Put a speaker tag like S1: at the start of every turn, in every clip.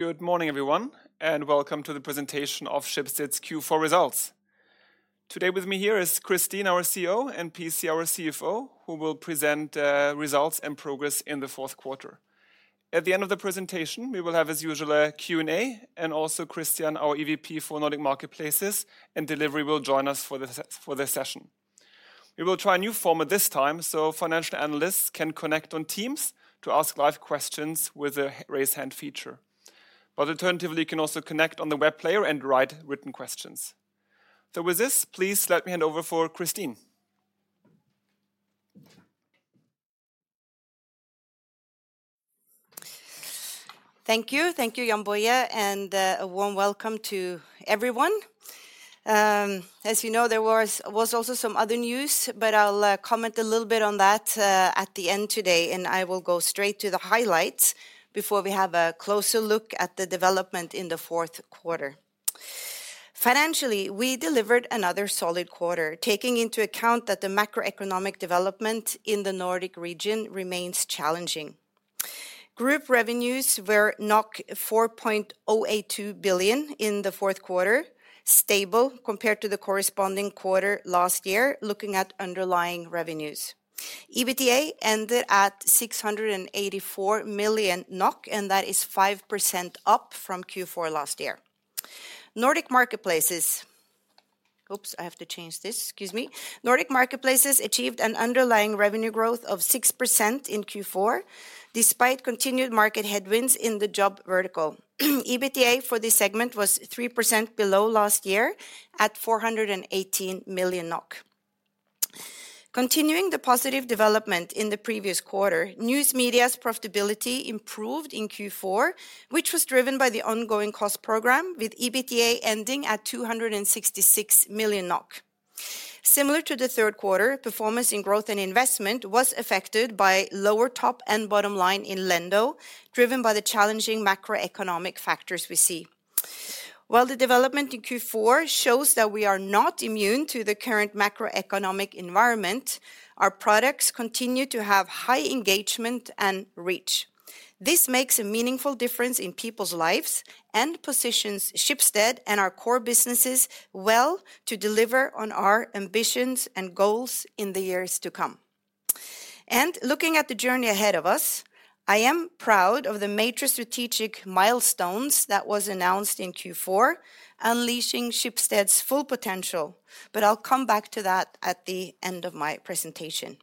S1: Good morning, everyone, and welcome to the presentation of Schibsted's Q4 results. Today with me here is Kristin, our CEO, and PC, our CFO, who will present results and progress in the fourth quarter. At the end of the presentation, we will have, as usual, a Q&A, and also Christian, our EVP for Nordic Marketplaces and Delivery, will join us for the session. We will try a new format this time, so financial analysts can connect on Teams to ask live questions with the Raise Hand feature. But alternatively, you can also connect on the web player and write written questions. With this, please let me hand over for Kristin.
S2: Thank you. Thank you, Jann-Boje, and a warm welcome to everyone. As you know, there was also some other news, but I'll comment a little bit on that at the end today, and I will go straight to the highlights before we have a closer look at the development in the fourth quarter. Financially, we delivered another solid quarter, taking into account that the macroeconomic development in the Nordic region remains challenging. Group revenues were 4.082 billion in the fourth quarter, stable compared to the corresponding quarter last year, looking at underlying revenues. EBITDA ended at 684 million NOK, and that is 5% up from Q4 last year. Nordic Marketplaces... Oops, I have to change this. Excuse me. Nordic Marketplaces achieved an underlying revenue growth of 6% in Q4, despite continued market headwinds in the job vertical. EBITDA for this segment was 3% below last year at 418 million NOK. Continuing the positive development in the previous quarter, News Media's profitability improved in Q4, which was driven by the ongoing cost program, with EBITDA ending at 266 million NOK. Similar to the third quarter, performance in Growth & Investments was affected by lower top and bottom line in Lendo, driven by the challenging macroeconomic factors we see. While the development in Q4 shows that we are not immune to the current macroeconomic environment, our products continue to have high engagement and reach. This makes a meaningful difference in people's lives and positions Schibsted and our core businesses well to deliver on our ambitions and goals in the years to come. Looking at the journey ahead of us, I am proud of the major strategic milestones that was announced in Q4, unleashing Schibsted's full potential, but I'll come back to that at the end of my presentation.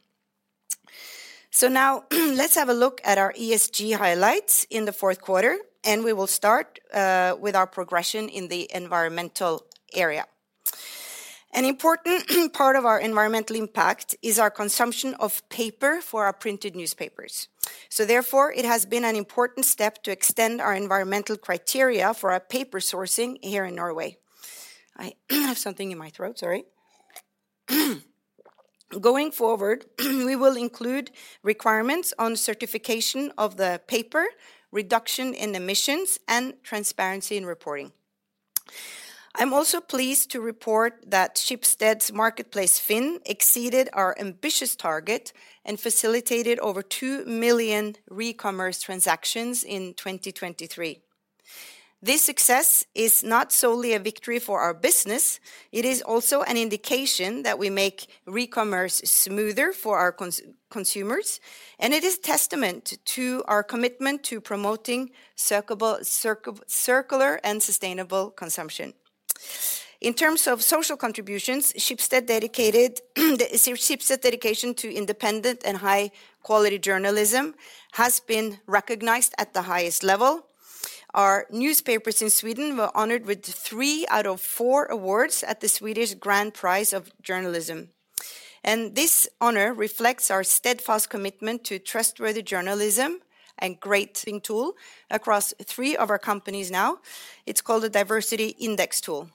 S2: Now, let's have a look at our ESG highlights in the fourth quarter, and we will start with our progression in the environmental area. An important part of our environmental impact is our consumption of paper for our printed newspapers. So therefore, it has been an important step to extend our environmental criteria for our paper sourcing here in Norway. I have something in my throat, sorry. Going forward, we will include requirements on certification of the paper, reduction in emissions, and transparency in reporting. I'm also pleased to report that Schibsted's marketplace, FINN, exceeded our ambitious target and facilitated over 2 million Recommerce transactions in 2023. This success is not solely a victory for our business, it is also an indication that we make Recommerce smoother for our consumers, and it is testament to our commitment to promoting circular and sustainable consumption. In terms of social contributions, Schibsted dedication to independent and high-quality journalism has been recognized at the highest level. Our newspapers in Sweden were honored with three out of four awards at the Swedish Grand Prize of Journalism. This honor reflects our steadfast commitment to trustworthy journalism and great tool across three of our companies now. It's called a diversity index tool.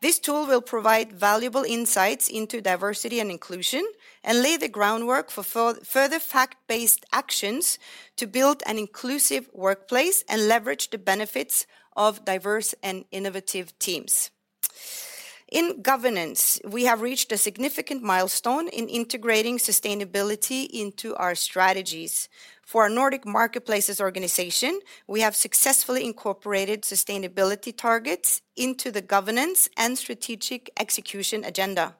S2: This tool will provide valuable insights into diversity and inclusion and lay the groundwork for further fact-based actions to build an inclusive workplace and leverage the benefits of diverse and innovative teams. In governance, we have reached a significant milestone in integrating sustainability into our strategies. For our Nordic Marketplaces organization, we have successfully incorporated sustainability targets into the governance and strategic execution agenda.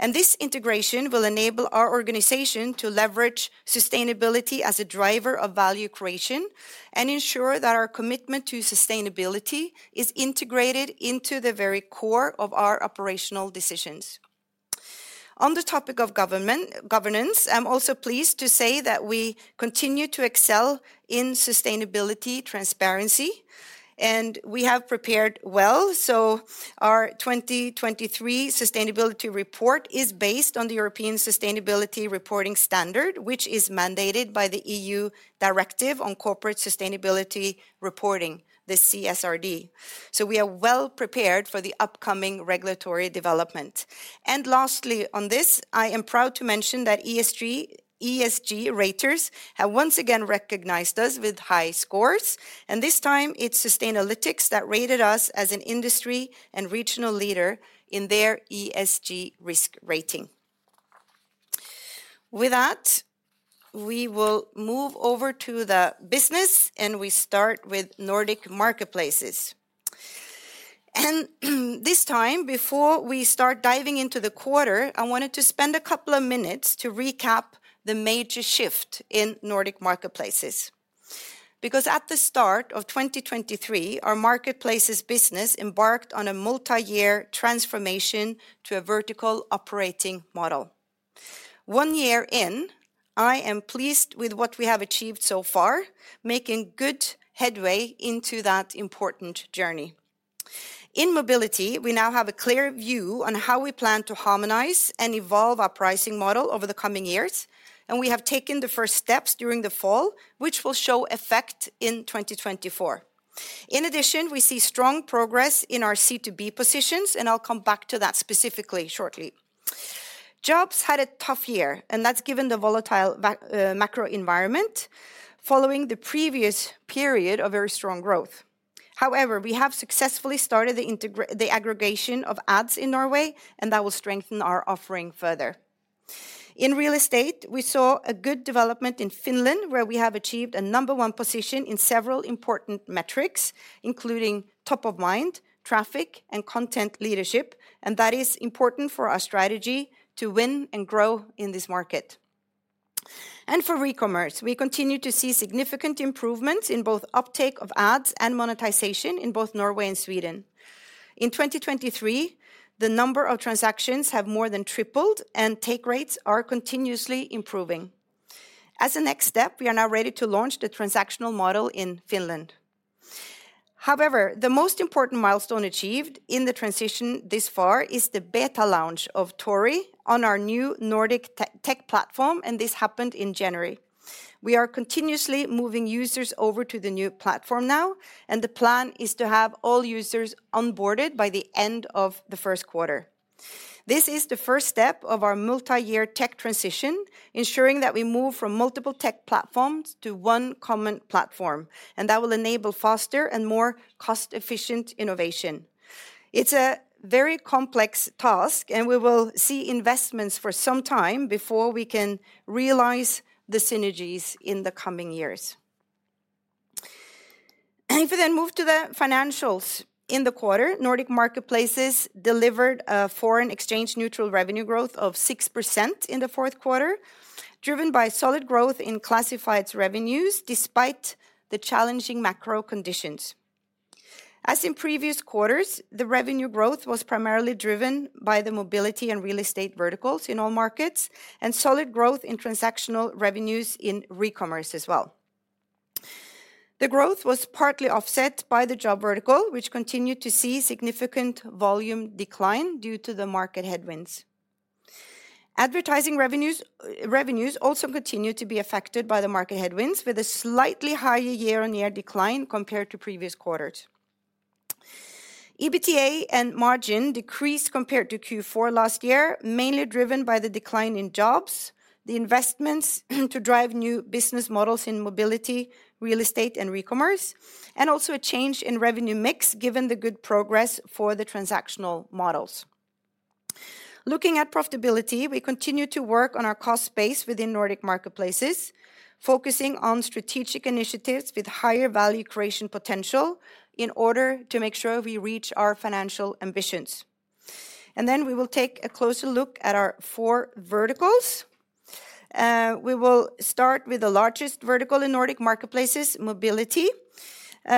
S2: This integration will enable our organization to leverage sustainability as a driver of value creation and ensure that our commitment to sustainability is integrated into the very core of our operational decisions. On the topic of governance, I'm also pleased to say that we continue to excel in sustainability transparency, and we have prepared well, so our 2023 sustainability report is based on the European Sustainability Reporting Standard, which is mandated by the EU Directive on Corporate Sustainability Reporting, the CSRD. We are well-prepared for the upcoming regulatory development. And lastly, on this, I am proud to mention that ESG, ESG raters have once again recognized us with high scores, and this time it's Sustainalytics that rated us as an industry and regional leader in their ESG risk rating. With that, we will move over to the business, and we start with Nordic Marketplaces. This time, before we start diving into the quarter, I wanted to spend a couple of minutes to recap the major shift in Nordic Marketplaces. Because at the start of 2023, our marketplaces business embarked on a multi-year transformation to a vertical operating model. One year in, I am pleased with what we have achieved so far, making good headway into that important journey. In Mobility, we now have a clear view on how we plan to harmonize and evolve our pricing model over the coming years, and we have taken the first steps during the fall, which will show effect in 2024. In addition, we see strong progress in our C2B positions, and I'll come back to that specifically shortly. Jobs had a tough year, and that's given the volatile macro environment following the previous period of very strong growth. However, we have successfully started the aggregation of ads in Norway, and that will strengthen our offering further. In Real Estate, we saw a good development in Finland, where we have achieved a number 1 position in several important metrics, including top of mind, traffic, and content leadership, and that is important for our strategy to win and grow in this market. For Recommerce, we continue to see significant improvements in both uptake of ads and monetization in both Norway and Sweden. In 2023, the number of transactions have more than tripled, and take rates are continuously improving. As a next step, we are now ready to launch the transactional model in Finland. However, the most important milestone achieved in the transition this far is the beta launch of Tori on our new Nordic tech platform, and this happened in January. We are continuously moving users over to the new platform now, and the plan is to have all users onboarded by the end of the first quarter. This is the first step of our multi-year tech transition, ensuring that we move from multiple tech platforms to one common platform, and that will enable faster and more cost-efficient innovation. It's a very complex task, and we will see investments for some time before we can realize the synergies in the coming years. If we then move to the financials. In the quarter, Nordic Marketplaces delivered a foreign exchange neutral revenue growth of 6% in the fourth quarter, driven by solid growth in classified revenues despite the challenging macro conditions. As in previous quarters, the revenue growth was primarily driven by the Mobility and Real Estate verticals in all markets, and solid growth in transactional revenues in Recommerce as well. The growth was partly offset by the job vertical, which continued to see significant volume decline due to the market headwinds. Advertising revenues, revenues also continued to be affected by the market headwinds, with a slightly higher year-on-year decline compared to previous quarters. EBITDA and margin decreased compared to Q4 last year, mainly driven by the decline in Jobs, the investments to drive new business models in Mobility, Real Estate, and Recommerce, and also a change in revenue mix, given the good progress for the transactional models. Looking at profitability, we continue to work on our cost base within Nordic Marketplaces, focusing on strategic initiatives with higher value creation potential in order to make sure we reach our financial ambitions. Then we will take a closer look at our four verticals. We will start with the largest vertical in Nordic Marketplaces, Mobility. We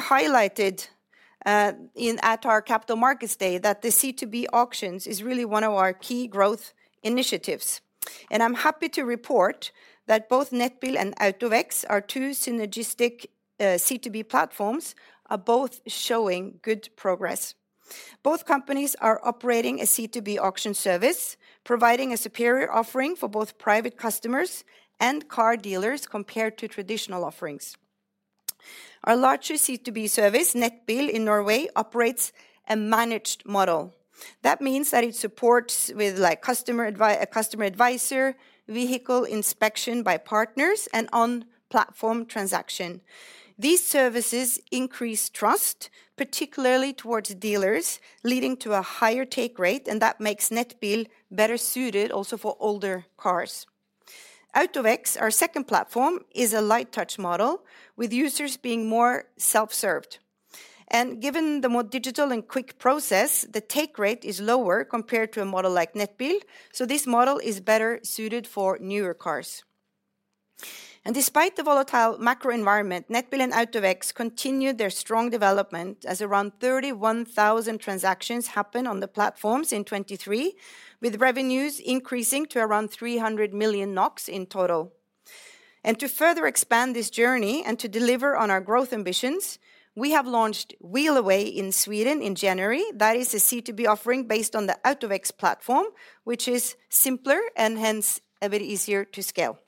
S2: highlighted in at our Capital Markets Day that the C2B auctions is really one of our key growth initiatives. I'm happy to report that both Nettbil and AutoVex, our two synergistic C2B platforms, are both showing good progress. Both companies are operating a C2B auction service, providing a superior offering for both private customers and car dealers compared to traditional offerings. Our larger C2B service, Nettbil in Norway, operates a managed model. That means that it supports with, like, a customer advisor, vehicle inspection by partners, and on-platform transaction. These services increase trust, particularly towards dealers, leading to a higher take rate, and that makes Nettbil better suited also for older cars. AutoVex, our second platform, is a light touch model, with users being more self-served. Given the more digital and quick process, the take rate is lower compared to a model like Nettbil, so this model is better suited for newer cars. Despite the volatile macro environment, Nettbil and AutoVex continued their strong development as around 31,000 transactions happened on the platforms in 2023, with revenues increasing to around 300 million NOK in total. To further expand this journey and to deliver on our growth ambitions, we have launched Wheelaway in Sweden in January. That is a C2B offering based on the AutoVex platform, which is simpler and hence a bit easier to scale.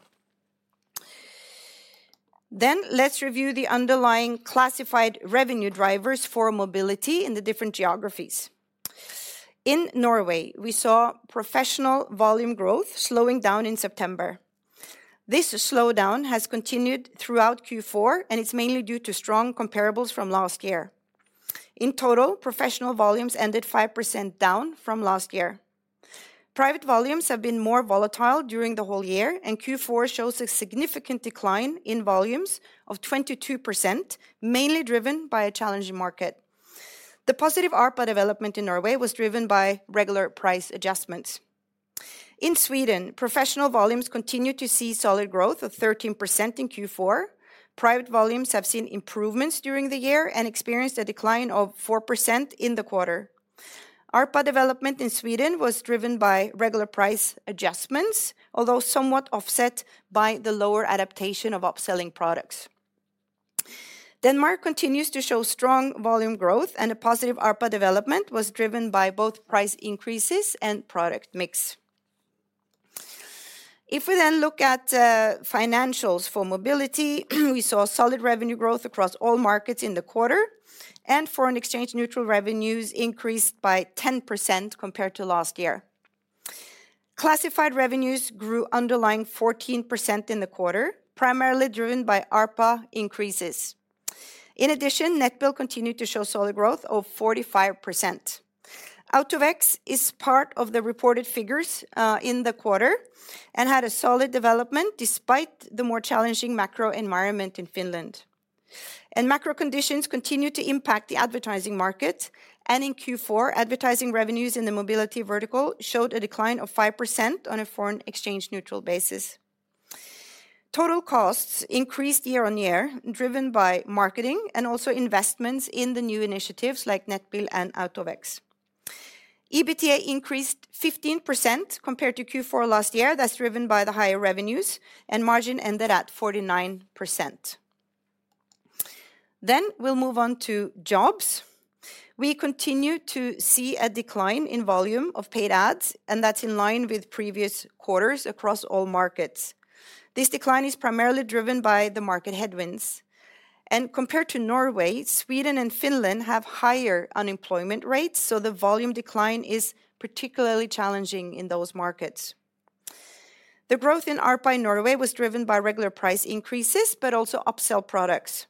S2: Let's review the underlying classified revenue drivers for Mobility in the different geographies. In Norway, we saw professional volume growth slowing down in September. This slowdown has continued throughout Q4, and it's mainly due to strong comparables from last year. In total, professional volumes ended 5% down from last year. Private volumes have been more volatile during the whole year, and Q4 shows a significant decline in volumes of 22%, mainly driven by a challenging market. The positive ARPA development in Norway was driven by regular price adjustments. In Sweden, professional volumes continued to see solid growth of 13% in Q4. Private volumes have seen improvements during the year and experienced a decline of 4% in the quarter. ARPA development in Sweden was driven by regular price adjustments, although somewhat offset by the lower adaptation of upselling products. Denmark continues to show strong volume growth, and a positive ARPA development was driven by both price increases and product mix. If we then look at financials for Mobility, we saw solid revenue growth across all markets in the quarter, and foreign exchange neutral revenues increased by 10% compared to last year. Classified revenues grew underlying 14% in the quarter, primarily driven by ARPA increases. In addition, Nettbil continued to show solid growth of 45%. AutoVex is part of the reported figures in the quarter and had a solid development despite the more challenging macro environment in Finland. Macro conditions continue to impact the advertising market, and in Q4, advertising revenues in the Mobility vertical showed a decline of 5% on a foreign exchange neutral basis. Total costs increased year-on-year, driven by marketing and also investments in the new initiatives like Nettbil and AutoVex. EBITDA increased 15% compared to Q4 last year. That's driven by the higher revenues, and margin ended at 49%. Then we'll move on to Jobs. We continue to see a decline in volume of paid ads, and that's in line with previous quarters across all markets. This decline is primarily driven by the market headwinds, and compared to Norway, Sweden and Finland have higher unemployment rates, so the volume decline is particularly challenging in those markets. The growth in ARPA in Norway was driven by regular price increases, but also upsell products.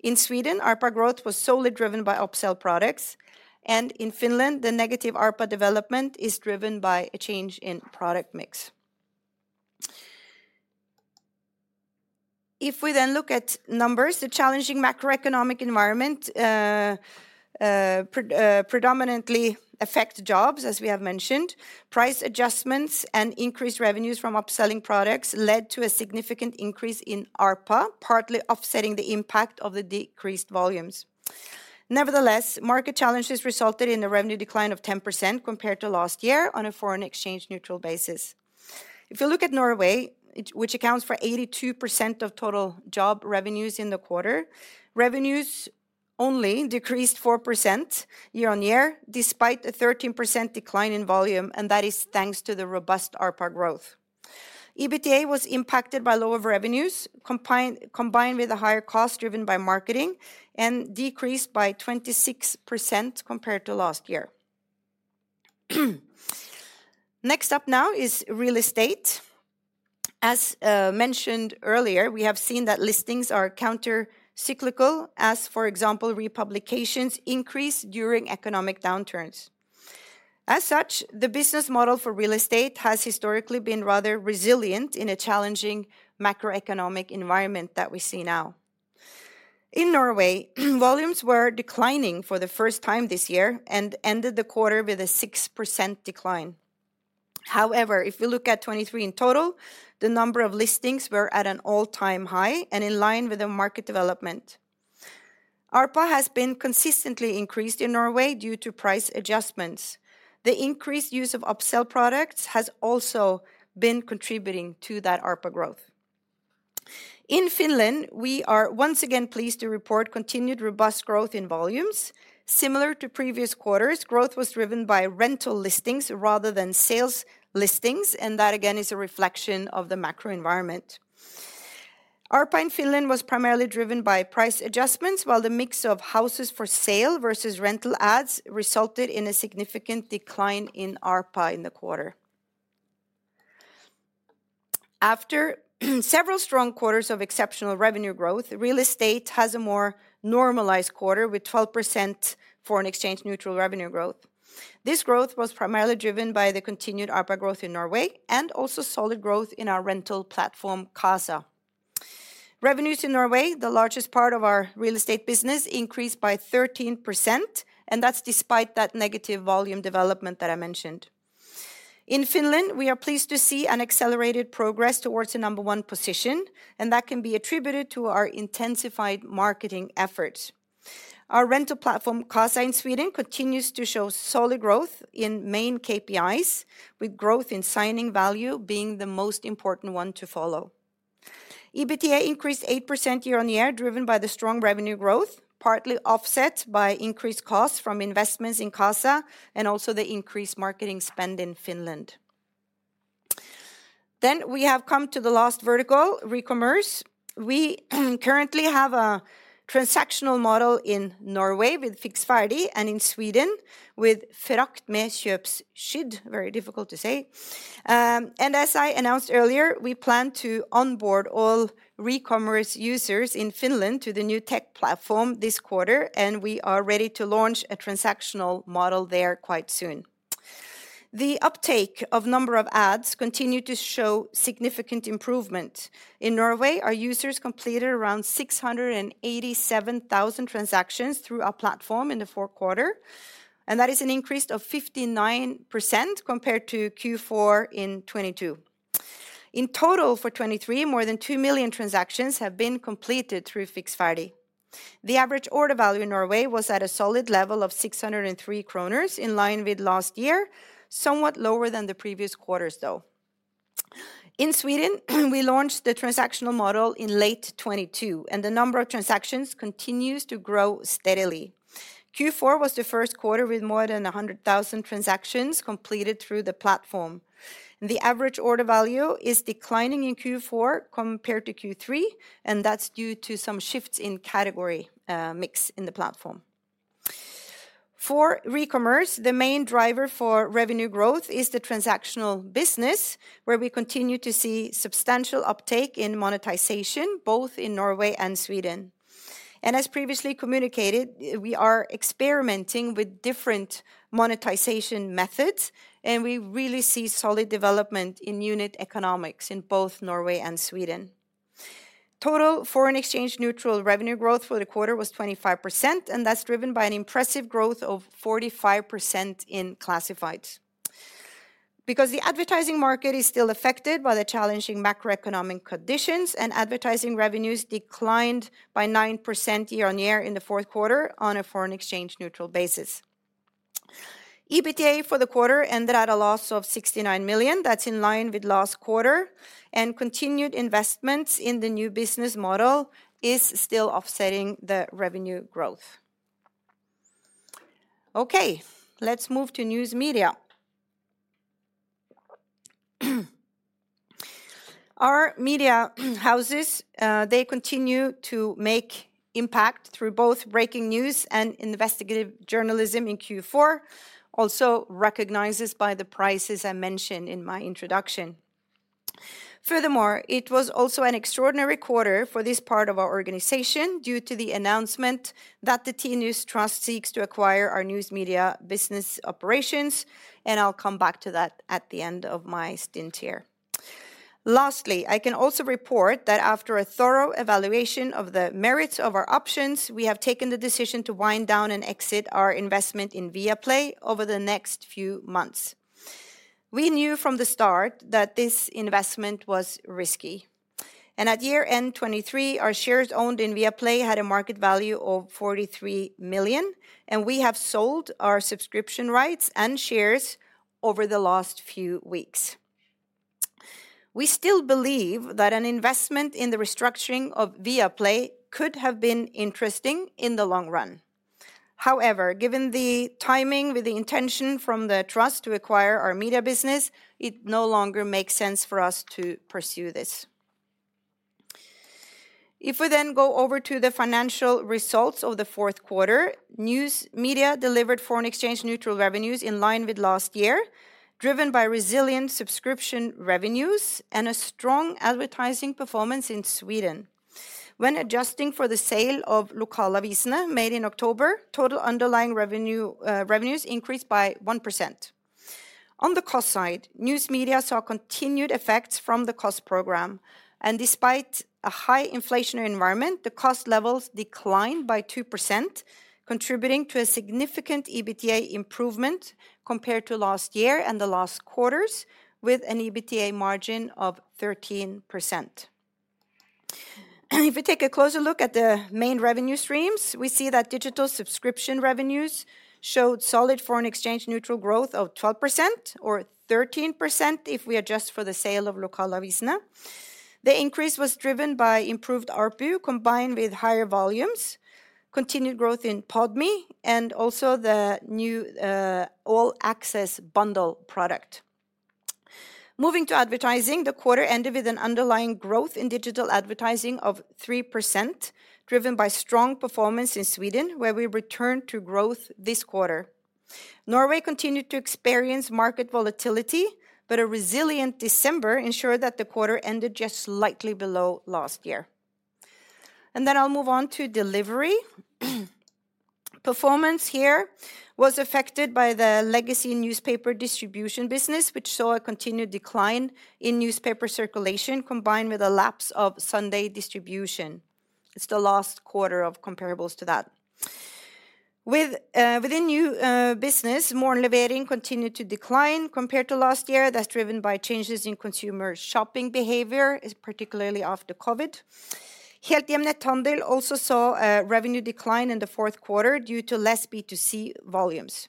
S2: In Sweden, ARPA growth was solely driven by upsell products, and in Finland, the negative ARPA development is driven by a change in product mix. If we then look at numbers, the challenging macroeconomic environment predominantly affect Jobs, as we have mentioned. Price adjustments and increased revenues from upselling products led to a significant increase in ARPA, partly offsetting the impact of the decreased volumes. Nevertheless, market challenges resulted in a revenue decline of 10% compared to last year on a foreign exchange neutral basis. If you look at Norway, which accounts for 82% of total job revenues in the quarter, revenues only decreased 4% year-on-year, despite a 13% decline in volume, and that is thanks to the robust ARPA growth. EBITDA was impacted by lower revenues, combined with a higher cost driven by marketing, and decreased by 26% compared to last year. Next up now is Real Estate. As mentioned earlier, we have seen that listings are countercyclical, as for example, republications increase during economic downturns. As such, the business model for Real Estate has historically been rather resilient in a challenging macroeconomic environment that we see now. In Norway, volumes were declining for the first time this year and ended the quarter with a 6% decline. However, if we look at 2023 in total, the number of listings were at an all-time high and in line with the market development. ARPA has been consistently increased in Norway due to price adjustments. The increased use of upsell products has also been contributing to that ARPA growth. In Finland, we are once again pleased to report continued robust growth in volumes. Similar to previous quarters, growth was driven by rental listings rather than sales listings, and that again, is a reflection of the macro environment. ARPA in Finland was primarily driven by price adjustments, while the mix of houses for sale versus rental ads resulted in a significant decline in ARPA in the quarter. After several strong quarters of exceptional revenue growth, Real Estate has a more normalized quarter, with 12% foreign exchange neutral revenue growth. This growth was primarily driven by the continued ARPA growth in Norway and also solid growth in our rental platform, Qasa. Revenues in Norway, the largest part of our Real Estate business, increased by 13%, and that's despite that negative volume development that I mentioned. In Finland, we are pleased to see an accelerated progress towards a number one position, and that can be attributed to our intensified marketing efforts. Our rental platform, Qasa in Sweden, continues to show solid growth in main KPIs, with growth in signing value being the most important one to follow. EBITDA increased 8% year-on-year, driven by the strong revenue growth, partly offset by increased costs from investments in Qasa and also the increased marketing spend in Finland. Then we have come to the last vertical, Recommerce. We currently have a transactional model in Norway with Fiks ferdig and in Sweden with Frakt med köpskydd. Very difficult to say. And as I announced earlier, we plan to onboard all Recommerce users in Finland to the new tech platform this quarter, and we are ready to launch a transactional model there quite soon. The uptake of number of ads continued to show significant improvement. In Norway, our users completed around 687,000 transactions through our platform in the fourth quarter, and that is an increase of 59% compared to Q4 in 2022. In total, for 2023, more than 2 million transactions have been completed through Fiks ferdig. The average order value in Norway was at a solid level of 603 kroner, in line with last year, somewhat lower than the previous quarters, though. In Sweden, we launched the transactional model in late 2022, and the number of transactions continues to grow steadily. Q4 was the first quarter with more than 100,000 transactions completed through the platform. The average order value is declining in Q4 compared to Q3, and that's due to some shifts in category mix in the platform. For Recommerce, the main driver for revenue growth is the transactional business, where we continue to see substantial uptake in monetization, both in Norway and Sweden. And as previously communicated, we are experimenting with different monetization methods, and we really see solid development in unit economics in both Norway and Sweden. Total foreign exchange neutral revenue growth for the quarter was 25%, and that's driven by an impressive growth of 45% in classifieds. Because the advertising market is still affected by the challenging macroeconomic conditions, and advertising revenues declined by 9% year-on-year in the fourth quarter on a foreign exchange neutral basis. EBITDA for the quarter ended at a loss of 69 million. That's in line with last quarter, and continued investments in the new business model is still offsetting the revenue growth. Okay, let's move to News Media. Our media houses, they continue to make impact through both breaking news and investigative journalism in Q4, also recognized by the prizes I mentioned in my introduction. Furthermore, it was also an extraordinary quarter for this part of our organization due to the announcement that the Tinius Trust seeks to acquire our News Media business operations, and I'll come back to that at the end of my stint here. Lastly, I can also report that after a thorough evaluation of the merits of our options, we have taken the decision to wind down and exit our investment in Viaplay over the next few months. We knew from the start that this investment was risky, and at year-end 2023, our shares owned in Viaplay had a market value of 43 million, and we have sold our subscription rights and shares over the last few weeks. We still believe that an investment in the restructuring of Viaplay could have been interesting in the long run. However, given the timing with the intention from the trust to acquire our media business, it no longer makes sense for us to pursue this. If we then go over to the financial results of the fourth quarter, News Media delivered foreign exchange neutral revenues in line with last year, driven by resilient subscription revenues and a strong advertising performance in Sweden. When adjusting for the sale of Lokalavisene made in October, total underlying revenue, revenues increased by 1%. On the cost side, News Media saw continued effects from the cost program, and despite a high inflationary environment, the cost levels declined by 2%, contributing to a significant EBITDA improvement compared to last year and the last quarters with an EBITDA margin of 13%. If we take a closer look at the main revenue streams, we see that digital subscription revenues showed solid foreign exchange neutral growth of 12% or 13% if we adjust for the sale of Lokalavisene. The increase was driven by improved ARPU, combined with higher volumes, continued growth in Podme, and also the new All Access bundle product. Moving to advertising, the quarter ended with an underlying growth in digital advertising of 3%, driven by strong performance in Sweden, where we returned to growth this quarter. Norway continued to experience market volatility, but a resilient December ensured that the quarter ended just slightly below last year. Then I'll move on to Delivery. Performance here was affected by the legacy newspaper distribution business, which saw a continued decline in newspaper circulation, combined with a lapse of Sunday distribution. It's the last quarter of comparables to that. With, within new business, Morgenlevering continued to decline compared to last year. That's driven by changes in consumer shopping behavior, particularly after COVID. Helthjem Netthandel also saw a revenue decline in the fourth quarter due to less B2C volumes.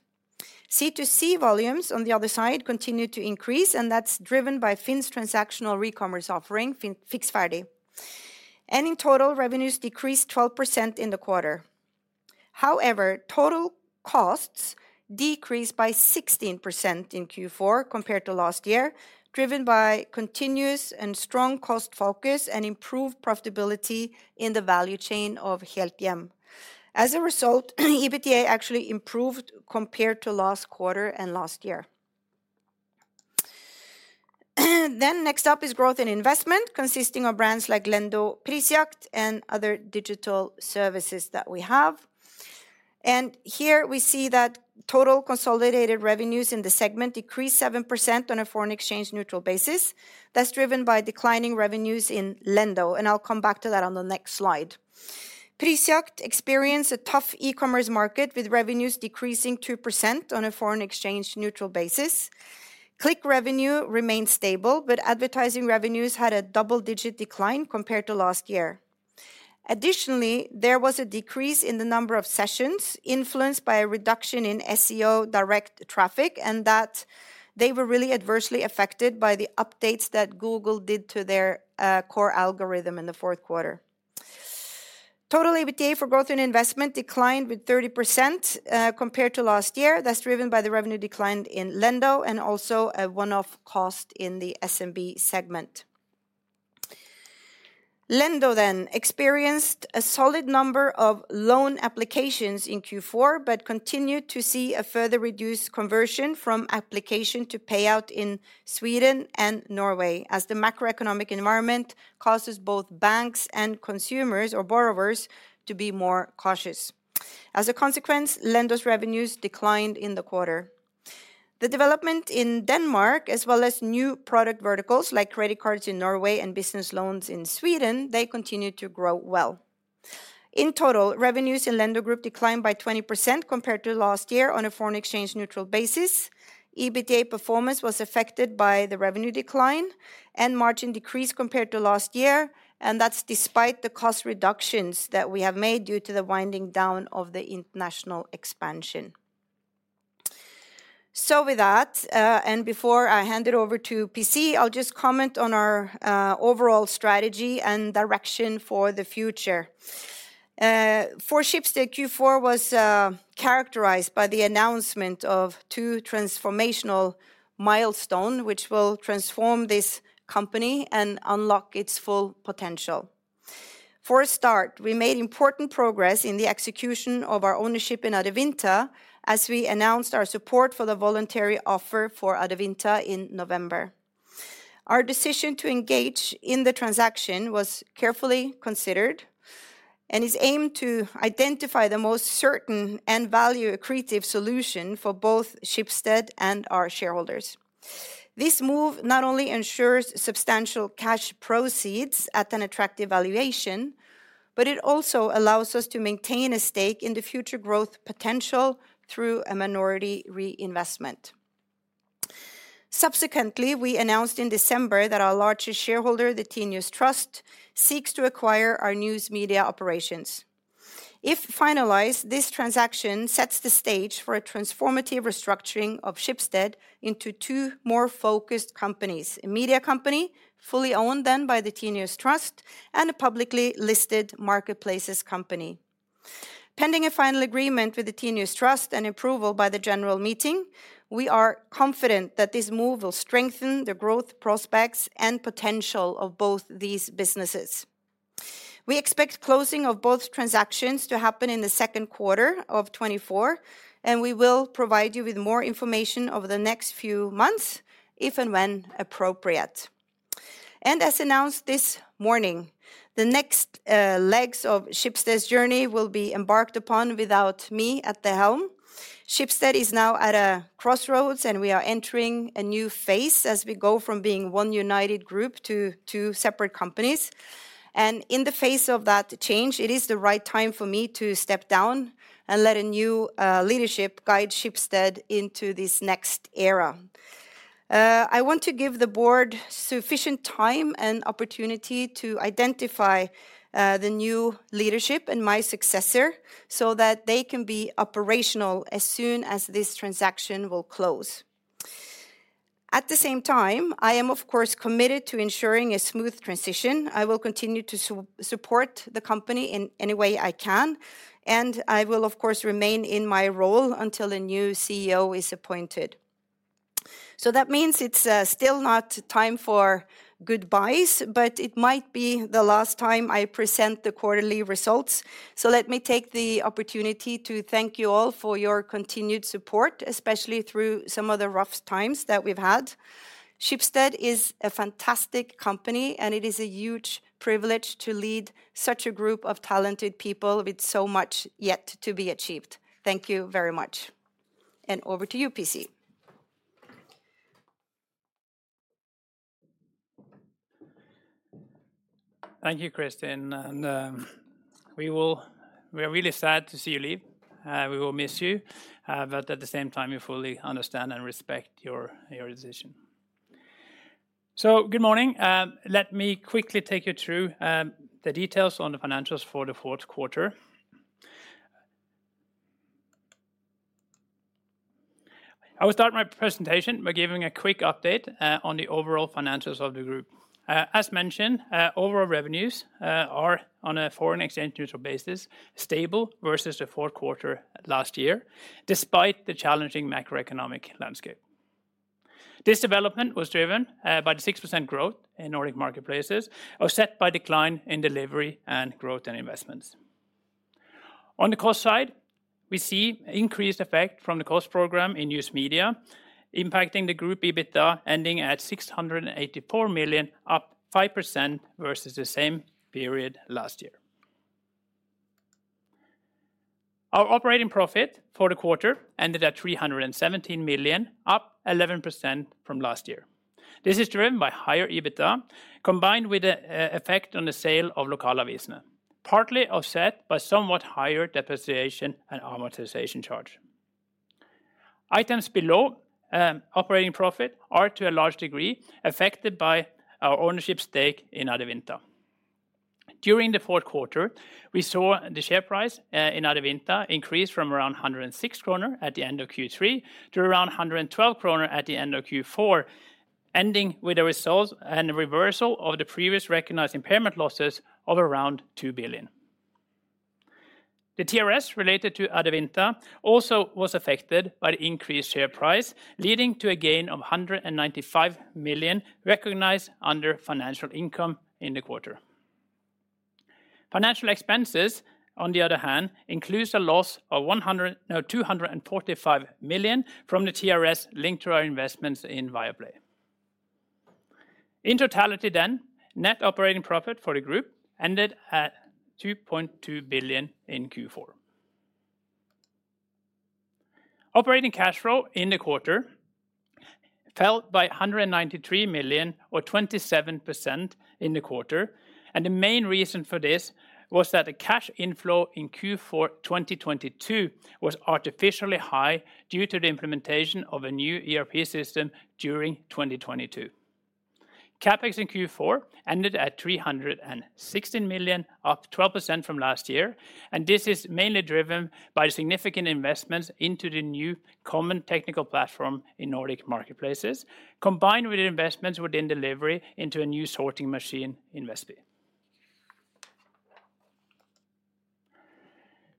S2: C2C volumes, on the other side, continued to increase, and that's driven by FINN's transactional Recommerce offering, FINN Fiks ferdig. In total, revenues decreased 12% in the quarter. However, total costs decreased by 16% in Q4 compared to last year, driven by continuous and strong cost focus and improved profitability in the value chain of Helthjem. As a result, EBITDA actually improved compared to last quarter and last year. Next up is Growth & Investments, consisting of brands like Lendo, Prisjakt, and other digital services that we have. Here we see that total consolidated revenues in the segment decreased 7% on a foreign exchange neutral basis. That's driven by declining revenues in Lendo, and I'll come back to that on the next slide. Prisjakt experienced a tough e-commerce market, with revenues decreasing 2% on a foreign exchange neutral basis. Click revenue remained stable, but advertising revenues had a double-digit decline compared to last year. Additionally, there was a decrease in the number of sessions influenced by a reduction in SEO direct traffic, and that they were really adversely affected by the updates that Google did to their core algorithm in the fourth quarter. Total EBITDA for Growth & Investments declined with 30%, compared to last year. That's driven by the revenue decline in Lendo and also a one-off cost in the SMB segment. Lendo then experienced a solid number of loan applications in Q4, but continued to see a further reduced conversion from application to payout in Sweden and Norway, as the macroeconomic environment causes both banks and consumers or borrowers to be more cautious. As a consequence, Lendo's revenues declined in the quarter. The development in Denmark, as well as new product verticals like credit cards in Norway and business loans in Sweden, they continued to grow well. In total, revenues in Lendo Group declined by 20% compared to last year on a foreign exchange neutral basis. EBITDA performance was affected by the revenue decline and margin decrease compared to last year, and that's despite the cost reductions that we have made due to the winding down of the international expansion. So with that, and before I hand it over to PC, I'll just comment on our overall strategy and direction for the future. For Schibsted, Q4 was characterized by the announcement of two transformational milestone, which will transform this company and unlock its full potential. For a start, we made important progress in the execution of our ownership in Adevinta, as we announced our support for the voluntary offer for Adevinta in November. Our decision to engage in the transaction was carefully considered and is aimed to identify the most certain and value accretive solution for both Schibsted and our shareholders. This move not only ensures substantial cash proceeds at an attractive valuation, but it also allows us to maintain a stake in the future growth potential through a minority reinvestment. Subsequently, we announced in December that our largest shareholder, the Tinius Trust, seeks to acquire our news media operations. If finalized, this transaction sets the stage for a transformative restructuring of Schibsted into two more focused companies: a media company, fully owned then by the Tinius Trust, and a publicly listed marketplaces company. Pending a final agreement with the Tinius Trust and approval by the general meeting, we are confident that this move will strengthen the growth prospects and potential of both these businesses. We expect closing of both transactions to happen in the second quarter of 2024, and we will provide you with more information over the next few months, if and when appropriate. As announced this morning, the next legs of Schibsted's journey will be embarked upon without me at the helm. Schibsted is now at a crossroads, and we are entering a new phase as we go from being one united group to two separate companies. In the face of that change, it is the right time for me to step down and let a new leadership guide Schibsted into this next era. I want to give the Board sufficient time and opportunity to identify the new leadership and my successor so that they can be operational as soon as this transaction will close. At the same time, I am, of course, committed to ensuring a smooth transition. I will continue to support the company in any way I can, and I will, of course, remain in my role until a new CEO is appointed. So that means it's still not time for goodbyes, but it might be the last time I present the quarterly results. So let me take the opportunity to thank you all for your continued support, especially through some of the rough times that we've had. Schibsted is a fantastic company, and it is a huge privilege to lead such a group of talented people with so much yet to be achieved. Thank you very much. Over to you, PC.
S3: Thank you, Kristin, and we are really sad to see you leave. We will miss you, but at the same time, we fully understand and respect your, your decision. So good morning, let me quickly take you through the details on the financials for the fourth quarter. I will start my presentation by giving a quick update on the overall financials of the group. As mentioned, overall revenues are on a foreign exchange neutral basis, stable versus the fourth quarter last year, despite the challenging macroeconomic landscape. This development was driven by the 6% growth in Nordic marketplaces, offset by decline in Delivery and Growth & Investments. On the cost side, we see increased effect from the cost program in News Media, impacting the group EBITDA, ending at 684 million, up 5% versus the same period last year. Our operating profit for the quarter ended at 317 million, up 11% from last year. This is driven by higher EBITDA, combined with the effect on the sale of Lokale Aviser, partly offset by somewhat higher depreciation and amortization charge. Items below operating profit are, to a large degree, affected by our ownership stake in Adevinta. During the fourth quarter, we saw the share price in Adevinta increase from around 106 kroner at the end of Q3 to around 112 kroner at the end of Q4, ending with a result and reversal of the previous recognized impairment losses of around 2 billion. The TRS related to Adevinta also was affected by the increased share price, leading to a gain of 195 million recognized under financial income in the quarter. Financial expenses, on the other hand, includes a loss of 100, no, 245 million from the TRS linked to our investments in Viaplay. In totality then, net operating profit for the group ended at 2 billion in Q4. Operating cash flow in the quarter fell by 193 million, or 27% in the quarter, and the main reason for this was that the cash inflow in Q4 2022 was artificially high due to the implementation of a new ERP system during 2022. CapEx in Q4 ended at 316 million, up 12% from last year, and this is mainly driven by significant investments into the new common technical platform in Nordic Marketplaces, combined with investments within Delivery into a new sorting machine in Vestby.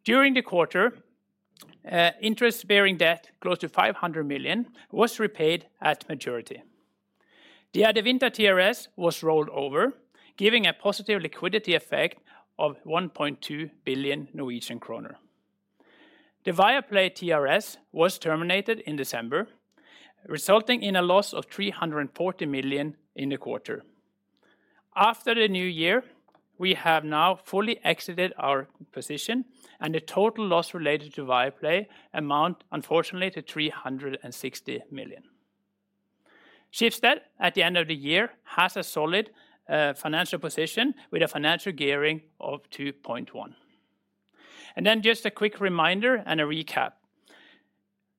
S3: During the quarter, interest-bearing debt close to 500 million was repaid at maturity. The Adevinta TRS was rolled over, giving a positive liquidity effect of 1.2 billion Norwegian kroner. The Viaplay TRS was terminated in December, resulting in a loss of 340 million in the quarter. After the new year, we have now fully exited our position, and the total loss related to Viaplay amount, unfortunately, to 360 million. Schibsted, at the end of the year, has a solid financial position with a financial gearing of 2.1. Then just a quick reminder and a recap.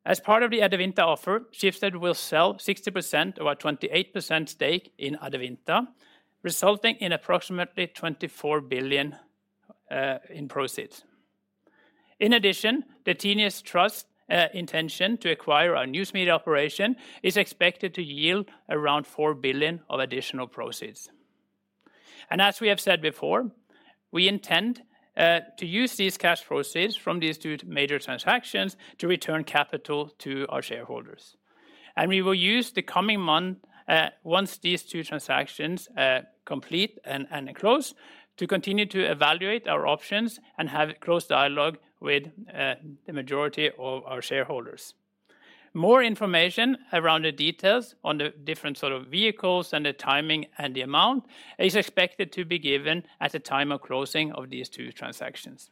S3: As part of the Adevinta offer, Schibsted will sell 60% of our 28% stake in Adevinta, resulting in approximately 24 billion in proceeds. In addition, the Tinius Trust intention to acquire our news media operation is expected to yield around 4 billion of additional proceeds. As we have said before, we intend to use these cash proceeds from these two major transactions to return capital to our shareholders. We will use the coming month once these two transactions complete and close, to continue to evaluate our options and have close dialogue with the majority of our shareholders. More information around the details on the different sort of vehicles and the timing and the amount is expected to be given at the time of closing of these two transactions.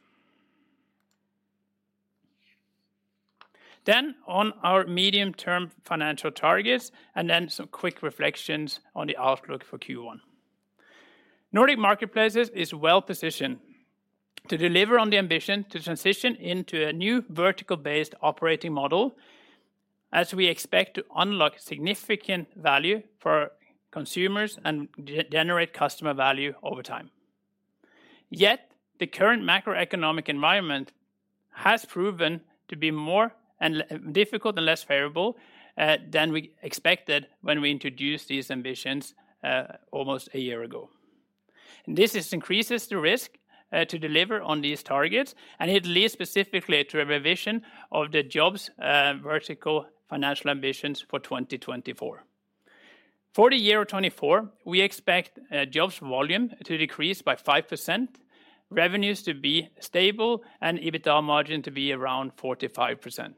S3: Then on our medium-term financial targets, and then some quick reflections on the outlook for Q1. Nordic Marketplaces is well-positioned to deliver on the ambition to transition into a new vertical-based operating model, as we expect to unlock significant value for consumers and generate customer value over time. Yet, the current macroeconomic environment has proven to be more and less difficult and less favorable than we expected when we introduced these ambitions almost a year ago. This increases the risk to deliver on these targets, and it leads specifically to a revision of the Jobs vertical financial ambitions for 2024. For the year of 2024, we expect Jobs volume to decrease by 5%, revenues to be stable, and EBITDA margin to be around 45%.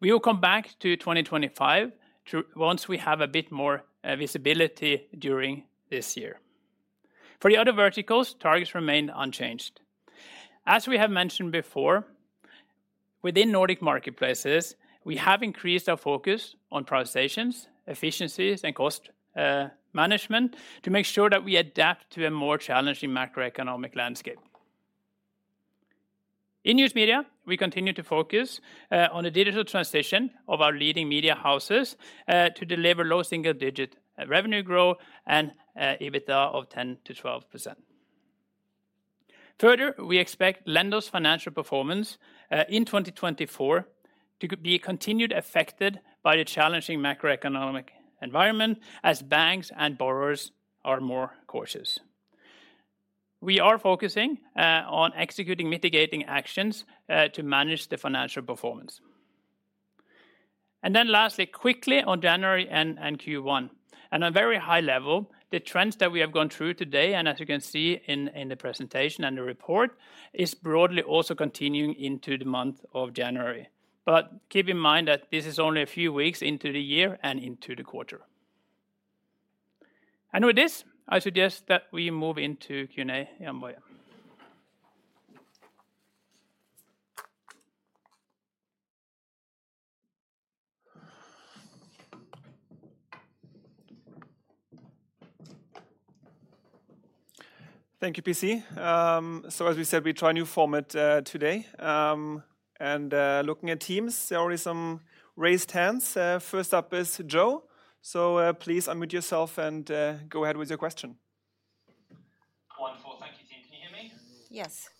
S3: We will come back to 2025 once we have a bit more visibility during this year. For the other verticals, targets remain unchanged. As we have mentioned before, within Nordic Marketplaces, we have increased our focus on prioritizations, efficiencies, and cost management to make sure that we adapt to a more challenging macroeconomic landscape. In News Media, we continue to focus on the digital transition of our leading media houses to deliver low single-digit revenue growth and EBITDA of 10%-12%. Further, we expect Lendo's financial performance in 2024 to be continued affected by the challenging macroeconomic environment as banks and borrowers are more cautious. We are focusing on executing mitigating actions to manage the financial performance. And then lastly, quickly on January and Q1. At a very high level, the trends that we have gone through today, and as you can see in the presentation and the report, is broadly also continuing into the month of January. But keep in mind that this is only a few weeks into the year and into the quarter. And with this, I suggest that we move into Q&A, Jann-Boje.
S1: Thank you, PC. So as we said, we try a new format, today. And, looking at teams, there are already some raised hands. First up is Jo. So, please unmute yourself and, go ahead with your question.
S4: Wonderful. Thank you, team. Can you hear me?
S2: Yes.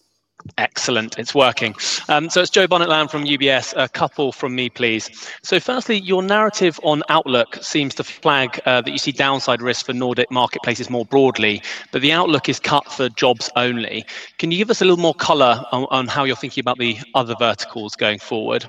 S4: Excellent, it's working. So it's Jo Barnet-Lamb from UBS. A couple from me, please. So firstly, your narrative on outlook seems to flag that you see downside risk for Nordic marketplaces more broadly, but the outlook is cut for Jobs only. Can you give us a little more color on how you're thinking about the other verticals going forward?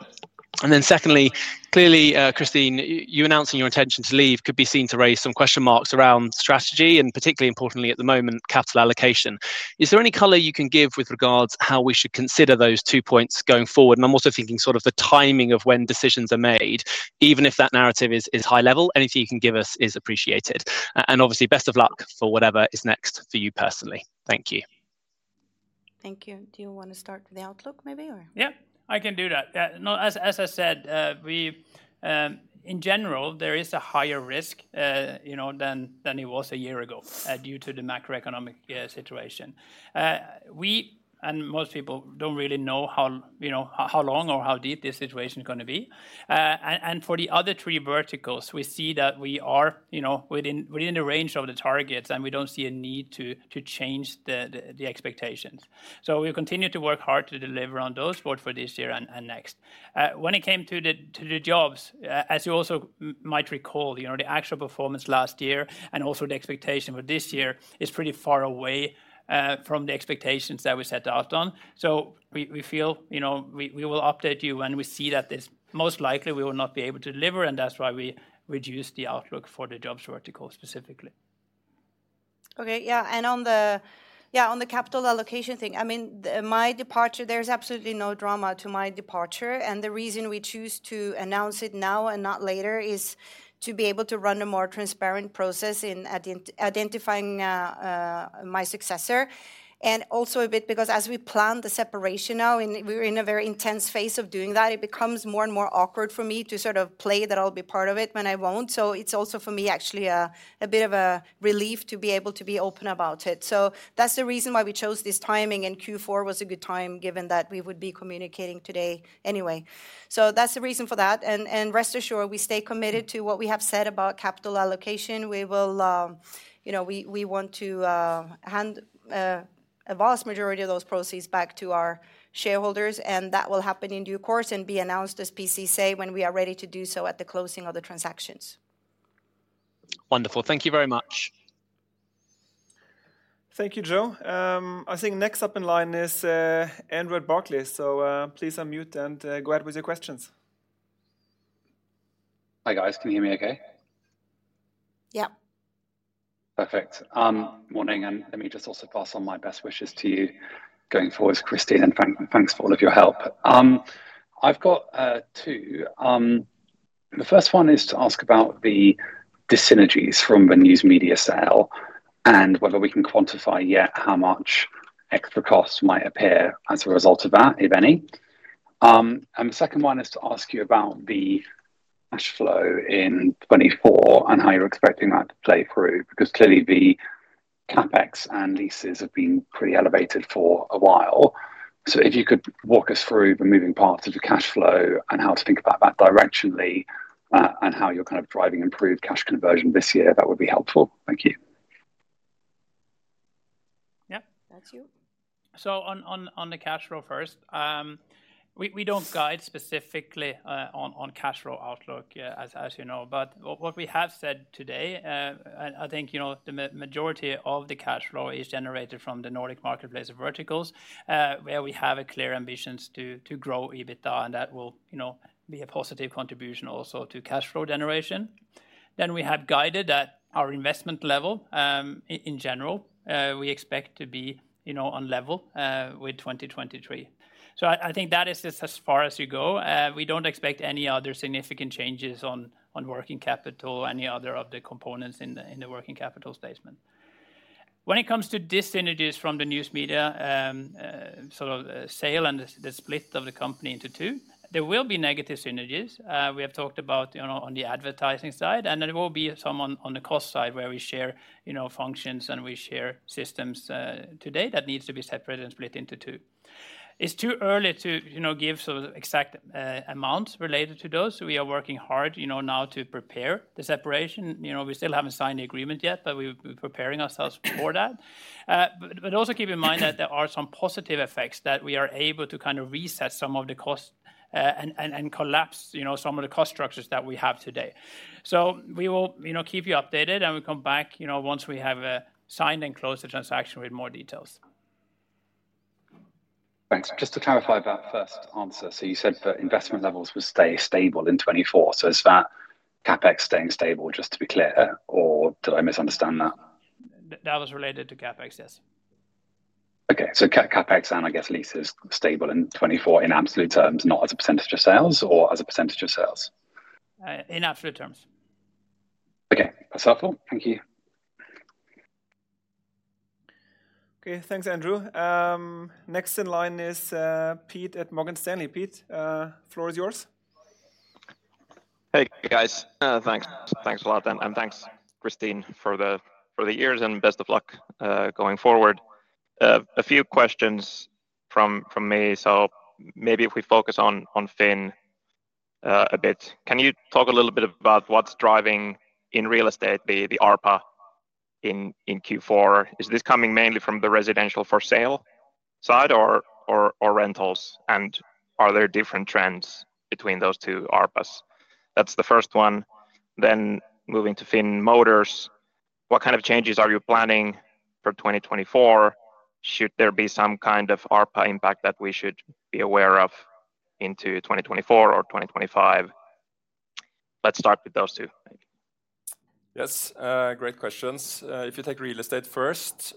S4: And then secondly, clearly, Kristin, you announcing your intention to leave could be seen to raise some question marks around strategy, and particularly importantly, at the moment, capital allocation. Is there any color you can give with regards how we should consider those two points going forward? And I'm also thinking sort of the timing of when decisions are made, even if that narrative is high level. Anything you can give us is appreciated. Obviously, best of luck for whatever is next for you personally. Thank you.
S2: Thank you. Do you wanna start with the outlook maybe, or?
S3: Yeah, I can do that. No, as I said, in general, there is a higher risk, you know, than it was a year ago, due to the macroeconomic situation. We and most people don't really know how, you know, how long or how deep this situation is gonna be. And for the other three verticals, we see that we are, you know, within the range of the targets, and we don't see a need to change the expectations. So we'll continue to work hard to deliver on those for this year and next. When it came to the Jobs, as you also might recall, you know, the actual performance last year and also the expectation for this year is pretty far away from the expectations that we set out on. So we feel, you know, we will update you when we see that this most likely we will not be able to deliver, and that's why we reduced the outlook for the Jobs vertical specifically.
S2: Okay. Yeah, and on the. Yeah, on the capital allocation thing, I mean, the, my departure, there's absolutely no drama to my departure, and the reason we choose to announce it now and not later is to be able to run a more transparent process in identifying my successor. And also a bit because as we plan the separation now, and we're in a very intense phase of doing that, it becomes more and more awkward for me to sort of play that I'll be part of it when I won't. So it's also for me, actually, a bit of a relief to be able to be open about it. So that's the reason why we chose this timing, and Q4 was a good time, given that we would be communicating today anyway. So that's the reason for that, and rest assured, we stay committed to what we have said about capital allocation. We will, you know, we want to hand a vast majority of those proceeds back to our shareholders, and that will happen in due course and be announced, as PC say, when we are ready to do so at the closing of the transactions.
S4: Wonderful. Thank you very much.
S1: Thank you, Jo. I think next up in line is Andrew at Barclays. So, please unmute and go ahead with your questions.
S5: Hi, guys. Can you hear me okay?
S2: Yeah.
S5: Perfect. Morning, and let me just also pass on my best wishes to you going forward, Kristin, and thanks for all of your help. I've got two. The first one is to ask about the dyssynergies from the News Media sale and whether we can quantify yet how much extra costs might appear as a result of that, if any. And the second one is to ask you about the cash flow in 2024 and how you're expecting that to play through, because clearly, the CapEx and leases have been pretty elevated for a while. So if you could walk us through the moving parts of the cash flow and how to think about that directionally, and how you're kind of driving improved cash conversion this year, that would be helpful. Thank you.
S3: Yeah.
S2: That's you.
S3: So on the cash flow first, we don't guide specifically on cash flow outlook, as you know. But what we have said today, and I think, you know, the majority of the cash flow is generated from the Nordic Marketplace verticals, where we have clear ambitions to grow EBITDA, and that will, you know, be a positive contribution also to cash flow generation. Then we had guided that our investment level in general we expect to be, you know, on level with 2023. So I think that is just as far as you go. We don't expect any other significant changes on working capital, any other of the components in the working capital statement. When it comes to dyssynergies from the News Media, sort of, sale and the split of the company into two, there will be negative synergies. We have talked about, you know, on the advertising side, and there will be some on the cost side, where we share, you know, functions and we share systems, today that needs to be separated and split into two. It's too early to, you know, give sort of exact, amounts related to those, so we are working hard, you know, now to prepare the separation. You know, we still haven't signed the agreement yet, but we've been preparing ourselves for that. But also keep in mind that there are some positive effects, that we are able to kind of reset some of the costs, and collapse, you know, some of the cost structures that we have today. So we will, you know, keep you updated, and we'll come back, you know, once we have signed and closed the transaction with more details.
S5: Thanks. Just to clarify that first answer, so you said that investment levels would stay stable in 2024. So is that CapEx staying stable, just to be clear, or did I misunderstand that?
S3: That was related to CapEx, yes.
S5: Okay. So CapEx, and I guess lease is stable in 2024 in absolute terms, not as a percentage of sales or as a percentage of sales?
S3: In absolute terms.
S5: Okay, that's helpful. Thank you.
S1: Okay, thanks, Andrew. Next in line is Pete at Morgan Stanley. Pete, floor is yours.
S6: Hey, guys, thanks. Thanks a lot, and thanks, Kristin, for the years, and best of luck going forward. A few questions from me. So maybe if we focus on Finn a bit. Can you talk a little bit about what's driving in Real Estate the ARPA in Q4? Is this coming mainly from the residential for sale side or rentals? And are there different trends between those two ARPAs? That's the first one. Then moving to Finn Motors, what kind of changes are you planning for 2024? Should there be some kind of ARPA impact that we should be aware of into 2024 or 2025? Let's start with those two. Thank you.
S7: Yes, great questions. If you take Real Estate first,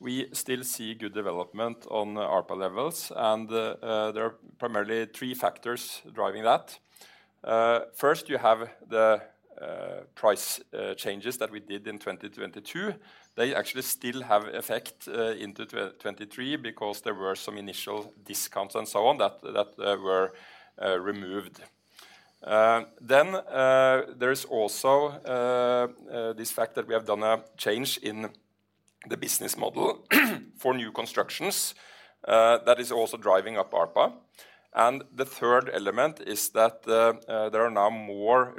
S7: we still see good development on ARPA levels, and there are primarily three factors driving that. First, you have the price changes that we did in 2022. They actually still have effect into 2023 because there were some initial discounts and so on that were removed. Then, there is also this fact that we have done a change in the business model for new constructions that is also driving up ARPA. And the third element is that there are now more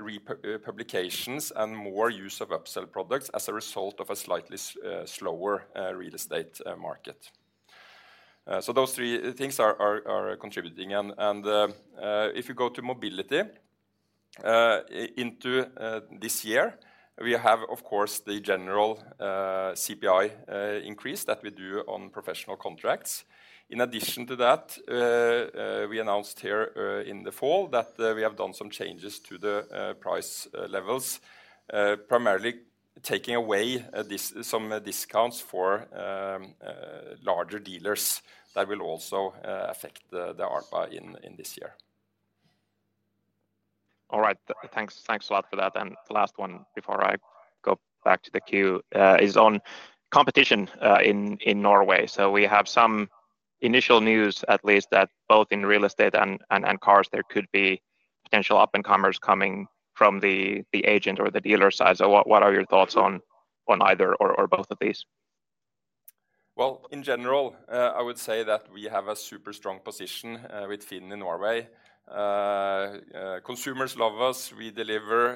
S7: publications and more use of upsell products as a result of a slightly slower Real Estate market. So those three things are contributing. If you go to Mobility, into this year, we have, of course, the general CPI increase that we do on professional contracts. In addition to that, we announced here, in the fall that we have done some changes to the price levels, primarily taking away some discounts for larger dealers that will also affect the ARPA in this year.
S6: All right. Thanks, thanks a lot for that. And the last one before I go back to the queue is on competition in Norway. So we have some initial news, at least, that both in Real Estate and cars, there could be potential up-and-comers coming from the agent or the dealer side. So what are your thoughts on either or both of these?
S7: Well, in general, I would say that we have a super strong position with FINN in Norway. Consumers love us. We deliver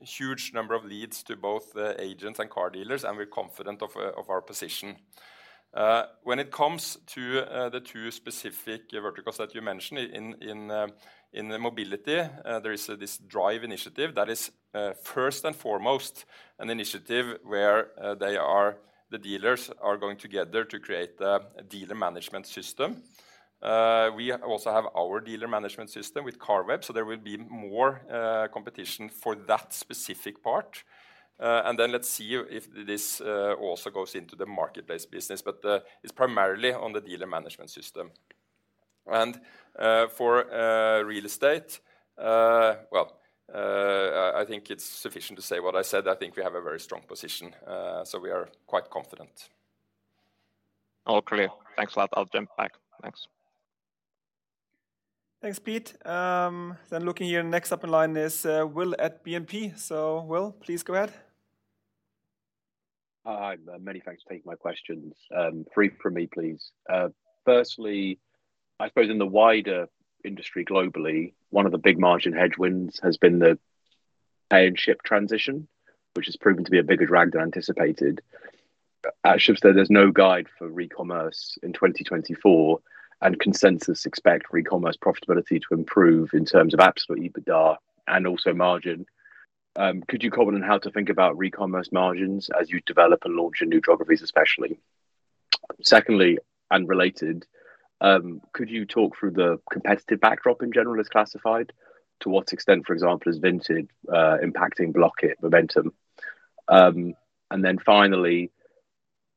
S7: a huge number of leads to both the agents and car dealers, and we're confident of our position. When it comes to the two specific verticals that you mentioned, in the Mobility, there is this Drive initiative that is first and foremost an initiative where they are, the dealers are going together to create the dealer management system. We also have our dealer management system with Carweb, so there will be more competition for that specific part. And then let's see if this also goes into the marketplace business, but it's primarily on the dealer management system. For Real Estate, well, I think it's sufficient to say what I said. I think we have a very strong position, so we are quite confident.
S6: All clear. Thanks a lot. I'll jump back. Thanks.
S1: Thanks, Pete. Then looking here, next up in line is Will at BNP. So, Will, please go ahead.
S8: Hi, many thanks for taking my questions. Three from me, please. Firstly, I suppose in the wider industry globally, one of the big margin headwinds has been the ownership transition, which has proven to be a bigger drag than anticipated. At Schibsted, there's no guide for Recommerce in 2024, and consensus expect Recommerce profitability to improve in terms of absolute EBITDA and also margin. Could you comment on how to think about Recommerce margins as you develop and launch your new geographies, especially? Secondly, unrelated, could you talk through the competitive backdrop in general as classified? To what extent, for example, is Vinted impacting Blocket momentum? And then finally,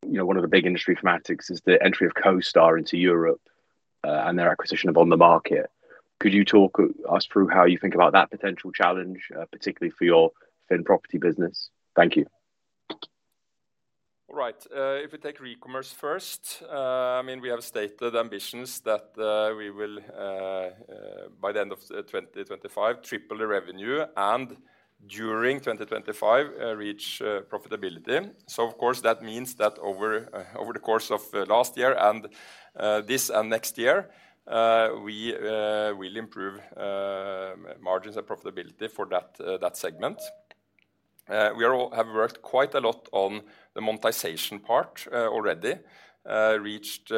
S8: you know, one of the big industry thematics is the entry of CoStar into Europe, and their acquisition of OnTheMarket. Could you talk us through how you think about that potential challenge, particularly for your FINN property business? Thank you.
S7: All right, if we take Recommerce first, I mean, we have stated ambitions that we will, by the end of 2025, triple the revenue, and during 2025, reach profitability. So of course, that means that over the course of last year and this and next year, we will improve margins and profitability for that segment. We all have worked quite a lot on the monetization part, already reached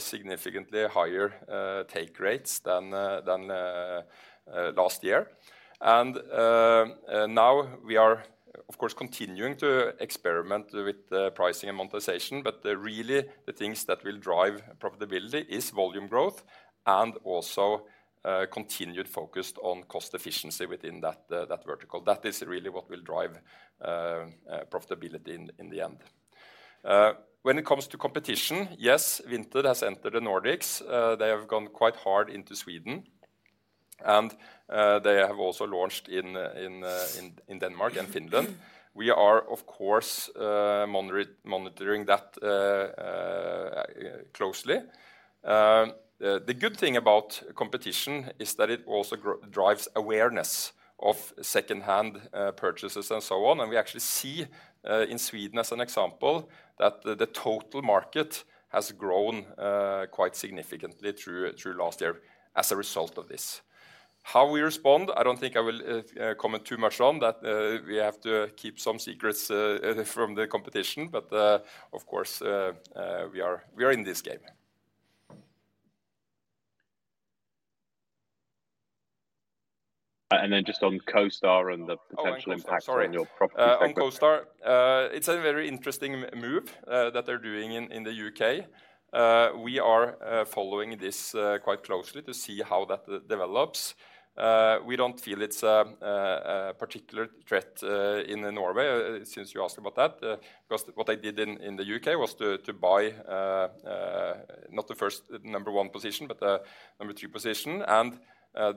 S7: significantly higher take rates than last year. And now we are of course continuing to experiment with the pricing and monetization, but really, the things that will drive profitability is volume growth and also continued focus on cost efficiency within that vertical. That is really what will drive profitability in the end. When it comes to competition, yes, Vinted has entered the Nordics. They have gone quite hard into Sweden, and they have also launched in Denmark and Finland. We are, of course, monitoring that closely. The good thing about competition is that it also drives awareness of second-hand purchases, and so on. And we actually see, in Sweden, as an example, that the total market has grown quite significantly through last year as a result of this. How we respond, I don't think I will comment too much on that, we have to keep some secrets from the competition, but of course we are in this game.
S8: And then just on CoStar and the-
S7: Oh, on CoStar, sorry....
S8: potential impact on your property segment.
S7: On CoStar, it's a very interesting move that they're doing in the U.K. We are following this quite closely to see how that develops. We don't feel it's a particular threat in Norway, since you asked about that, because what they did in the U.K. was to buy not the number one position, but the number two position, and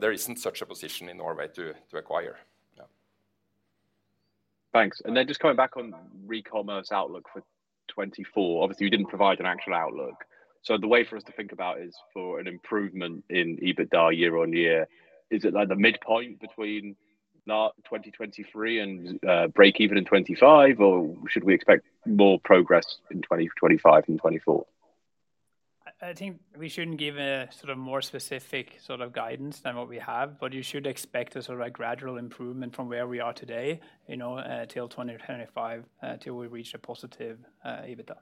S7: there isn't such a position in Norway to acquire. Yeah.
S8: Thanks. And then just coming back on Recommerce outlook for 2024. Obviously, you didn't provide an actual outlook, so the way for us to think about is for an improvement in EBITDA year on year. Is it like the midpoint between now, 2023 and breakeven in 2025, or should we expect more progress in 2025 and 2024?
S3: I think we shouldn't give a sort of more specific sort of guidance than what we have, but you should expect a sort of gradual improvement from where we are today, you know, till 2025, till we reach a positive EBITDA.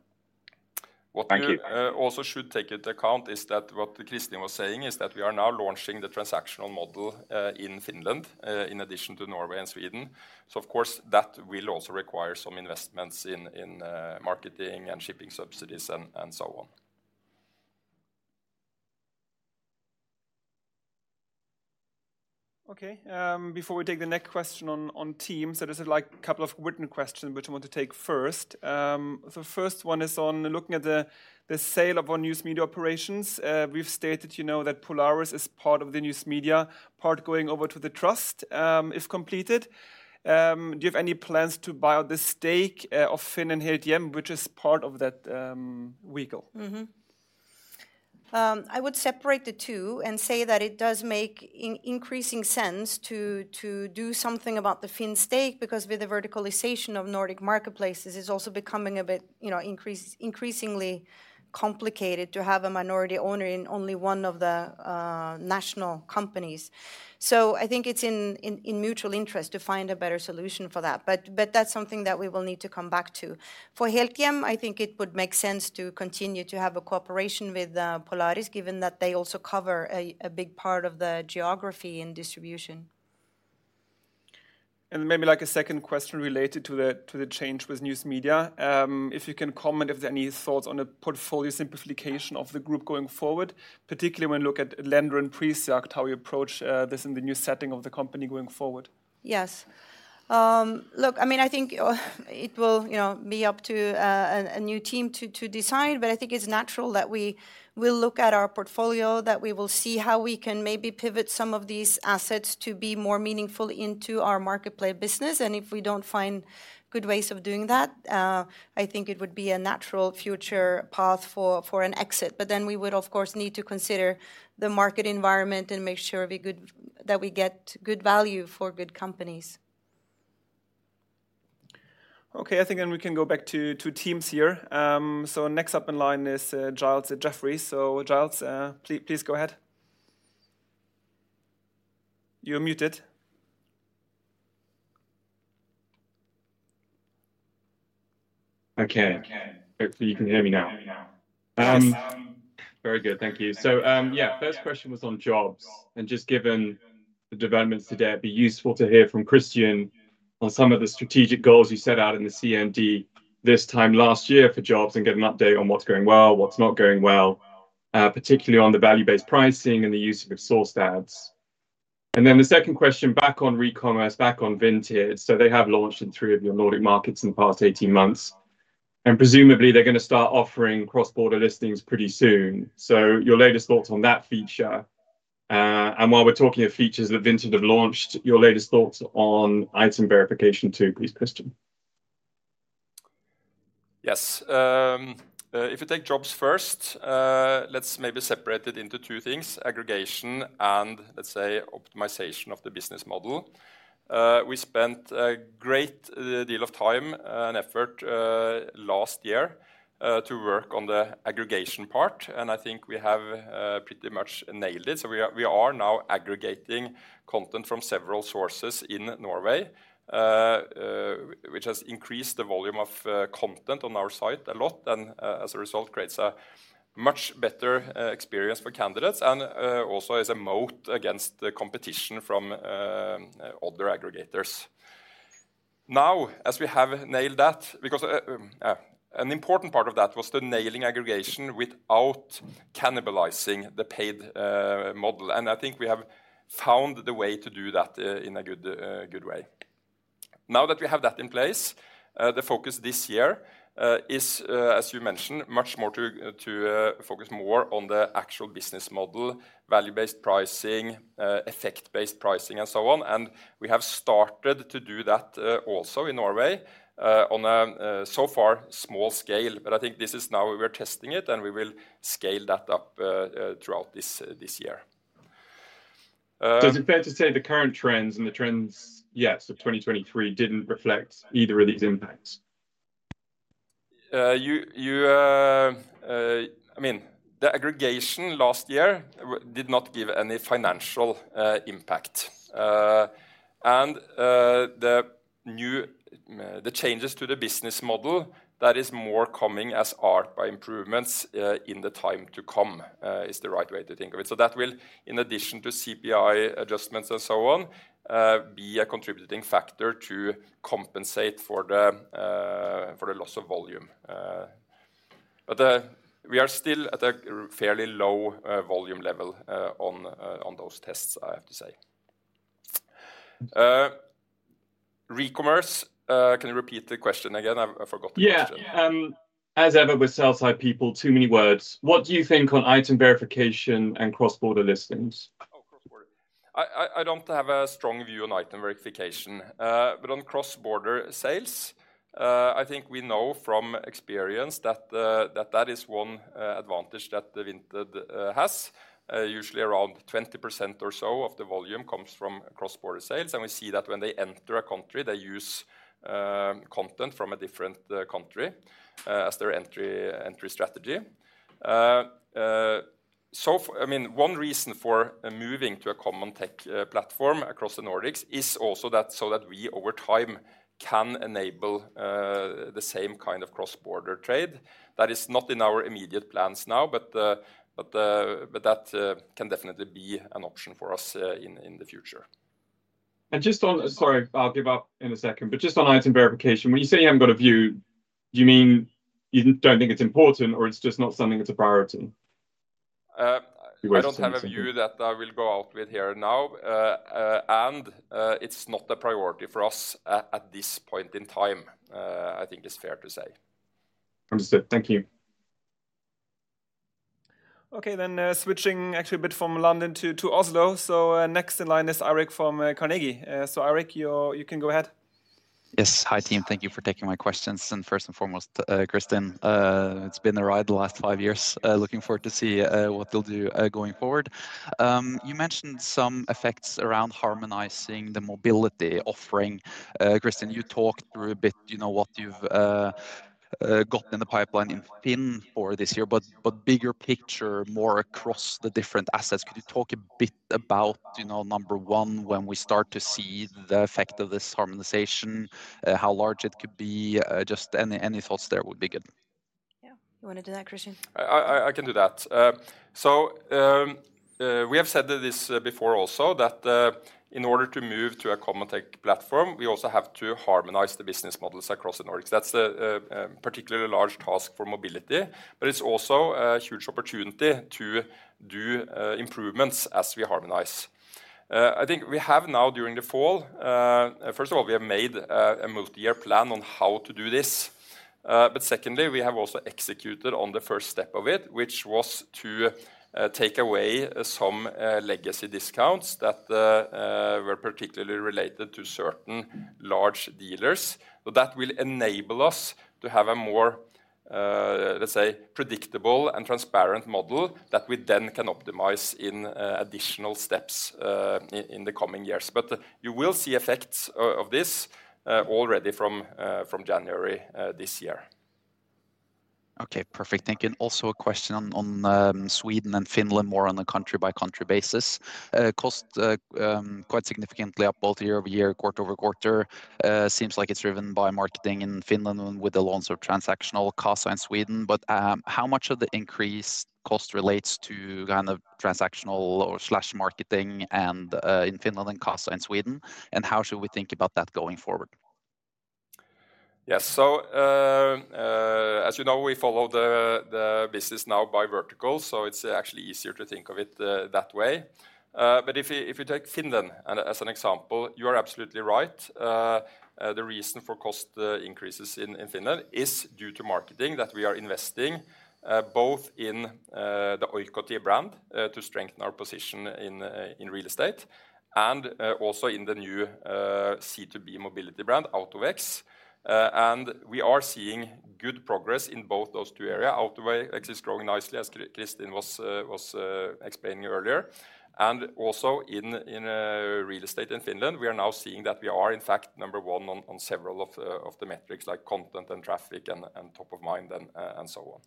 S8: Thank you.
S7: What we also should take into account is that what Christian was saying is that we are now launching the transactional model in Finland in addition to Norway and Sweden. So of course, that will also require some investments in in marketing and shipping subsidies and and so on.
S1: Okay, before we take the next question on Teams, there is like a couple of written questions which I want to take first. The first one is on looking at the sale of our News Media operations. We've stated, you know, that Polaris is part of the News Media, part going over to the Trust, if completed. Do you have any plans to buy out the stake of FINN and Helthjem, which is part of that vehicle?
S2: I would separate the two and say that it does make increasing sense to do something about the FINN stake, because with the verticalization of Nordic marketplaces, it's also becoming a bit, you know, increasingly complicated to have a minority owner in only one of the national companies. So I think it's in mutual interest to find a better solution for that. But that's something that we will need to come back to. For Helthjem, I think it would make sense to continue to have a cooperation with Polaris, given that they also cover a big part of the geography and distribution.
S1: Maybe like a second question related to the change with News Media. If you can comment, if there are any thoughts on a portfolio simplification of the group going forward, particularly when you look at Lendo and Prisjakt, how you approach this in the new setting of the company going forward?
S2: Yes. Look, I mean, I think it will, you know, be up to a new team to decide, but I think it's natural that we will look at our portfolio, that we will see how we can maybe pivot some of these assets to be more meaningful into our marketplace business. And if we don't find good ways of doing that, I think it would be a natural future path for an exit. But then we would, of course, need to consider the market environment and make sure that we get good value for good companies.
S1: Okay, I think then we can go back to Teams here. So next up in line is Giles at Jefferies. So Giles, please go ahead. You're muted.
S9: Okay. Hopefully, you can hear me now.
S1: Yes.
S9: Very good. Thank you. So, yeah, first question was on Jobs, and just given the developments today, it'd be useful to hear from Christian on some of the strategic goals you set out in the CMD this time last year for Jobs and get an update on what's going well, what's not going well, particularly on the value-based pricing and the use of sourced ads. And then the second question, back on Recommerce, back on Vinted. So they have launched in three of your Nordic markets in the past 18 months, and presumably, they're gonna start offering cross-border listings pretty soon. So your latest thoughts on that feature, and while we're talking of features that Vinted have launched, your latest thoughts on item verification, too, please, Christian.
S7: Yes, if you take Jobs first, let's maybe separate it into two things: aggregation and, let's say, optimization of the business model. We spent a great deal of time and effort last year to work on the aggregation part, and I think we have pretty much nailed it. So we are now aggregating content from several sources in Norway, which has increased the volume of content on our site a lot, and as a result, creates a much better experience for candidates and also is a moat against the competition from other aggregators. Now, as we have nailed that, because an important part of that was the nailing aggregation without cannibalizing the paid model. I think we have found the way to do that in a good way. Now that we have that in place, the focus this year is, as you mentioned, much more to focus more on the actual business model, value-based pricing, effect-based pricing, and so on. And we have started to do that also in Norway on a so far small scale. But I think this is now we are testing it, and we will scale that up throughout this year.
S9: So is it fair to say the current trends and the trends, yes, of 2023 didn't reflect either of these impacts?
S7: I mean, the aggregation last year did not give any financial impact. And the new changes to the business model, that is more coming as organic improvements in the time to come, is the right way to think of it. So that will, in addition to CPI adjustments and so on, be a contributing factor to compensate for the loss of volume. But we are still at a fairly low volume level on those tests, I have to say. Recommerce, can you repeat the question again? I forgot the question.
S9: Yeah. As ever, with sell-side people, too many words. What do you think on item verification and cross-border listings?
S7: Oh, cross-border. I don't have a strong view on item verification. But on cross-border sales, I think we know from experience that that is one advantage that the Vinted has. Usually around 20% or so of the volume comes from cross-border sales, and we see that when they enter a country, they use content from a different country as their entry strategy. I mean, one reason for moving to a common tech platform across the Nordics is also that, so that we, over time, can enable the same kind of cross-border trade. That is not in our immediate plans now, but that can definitely be an option for us in the future.
S9: Just on... Sorry, I'll give up in a second. Just on item verification, when you say you haven't got a view, do you mean you don't think it's important, or it's just not something that's a priority?
S7: Uh-
S9: You guys think-
S7: I don't have a view that I will go out with here now. And it's not a priority for us at this point in time. I think it's fair to say.
S9: Understood. Thank you.
S1: Okay then, switching actually a bit from London to Oslo. So, next in line is Eirik from Carnegie. So Eirik, you can go ahead.
S10: Yes. Hi, team. Thank you for taking my questions. First and foremost, Kristin, it's been a ride the last five years. Looking forward to see what they'll do going forward. You mentioned some effects around harmonizing the Mobility offering. Kristin, you talked through a bit, you know, what you've got in the pipeline in FINN for this year, but bigger picture, more across the different assets. Could you talk a bit about, you know, number one, when we start to see the effect of this harmonization, how large it could be? Just any thoughts there would be good.
S2: Yeah. You wanna do that, Christian?
S7: I can do that. So, we have said this before also, that in order to move to a common tech platform, we also have to harmonize the business models across the Nordics. That's a particularly large task for Mobility, but it's also a huge opportunity to do improvements as we harmonize. I think we have now, during the fall, first of all, we have made a multi-year plan on how to do this. But secondly, we have also executed on the first step of it, which was to take away some legacy discounts that were particularly related to certain large dealers. But that will enable us to have a more, let's say, predictable and transparent model that we then can optimize in additional steps in the coming years. You will see effects of this already from January this year.
S10: Okay, perfect. Thank you. And also a question on Sweden and Finland, more on a country-by-country basis. Cost quite significantly up both year-over-year, quarter-over-quarter. Seems like it's driven by marketing in Finland and with the launch of transactional Qasa in Sweden. But how much of the increased cost relates to kind of transactional or slash marketing and in Finland and Qasa in Sweden, and how should we think about that going forward?
S7: Yes. So, as you know, we follow the business now by vertical, so it's actually easier to think of it that way. But if you take Finland as an example, you are absolutely right. The reason for cost increases in Finland is due to marketing that we are investing both in the Oikotie brand to strengthen our position in Real Estate, and also in the new C2B Mobility brand, AutoVex. And we are seeing good progress in both those two areas. AutoVex is growing nicely, as Kristin was explaining earlier. Also in Real Estate in Finland, we are now seeing that we are, in fact, number one on several of the metrics, like content and traffic and top of mind and so on.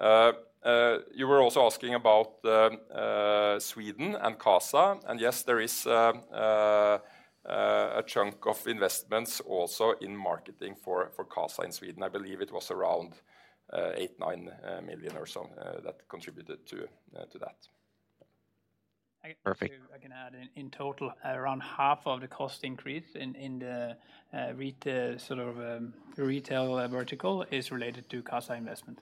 S7: You were also asking about Sweden and Qasa, and yes, there is a chunk of investments also in marketing for Qasa in Sweden. I believe it was around 8 million-9 million or so that contributed to that.
S6: Perfect.
S3: I can add, in total, around half of the cost increase in the retail, sort of, retail vertical is related to Qasa investment.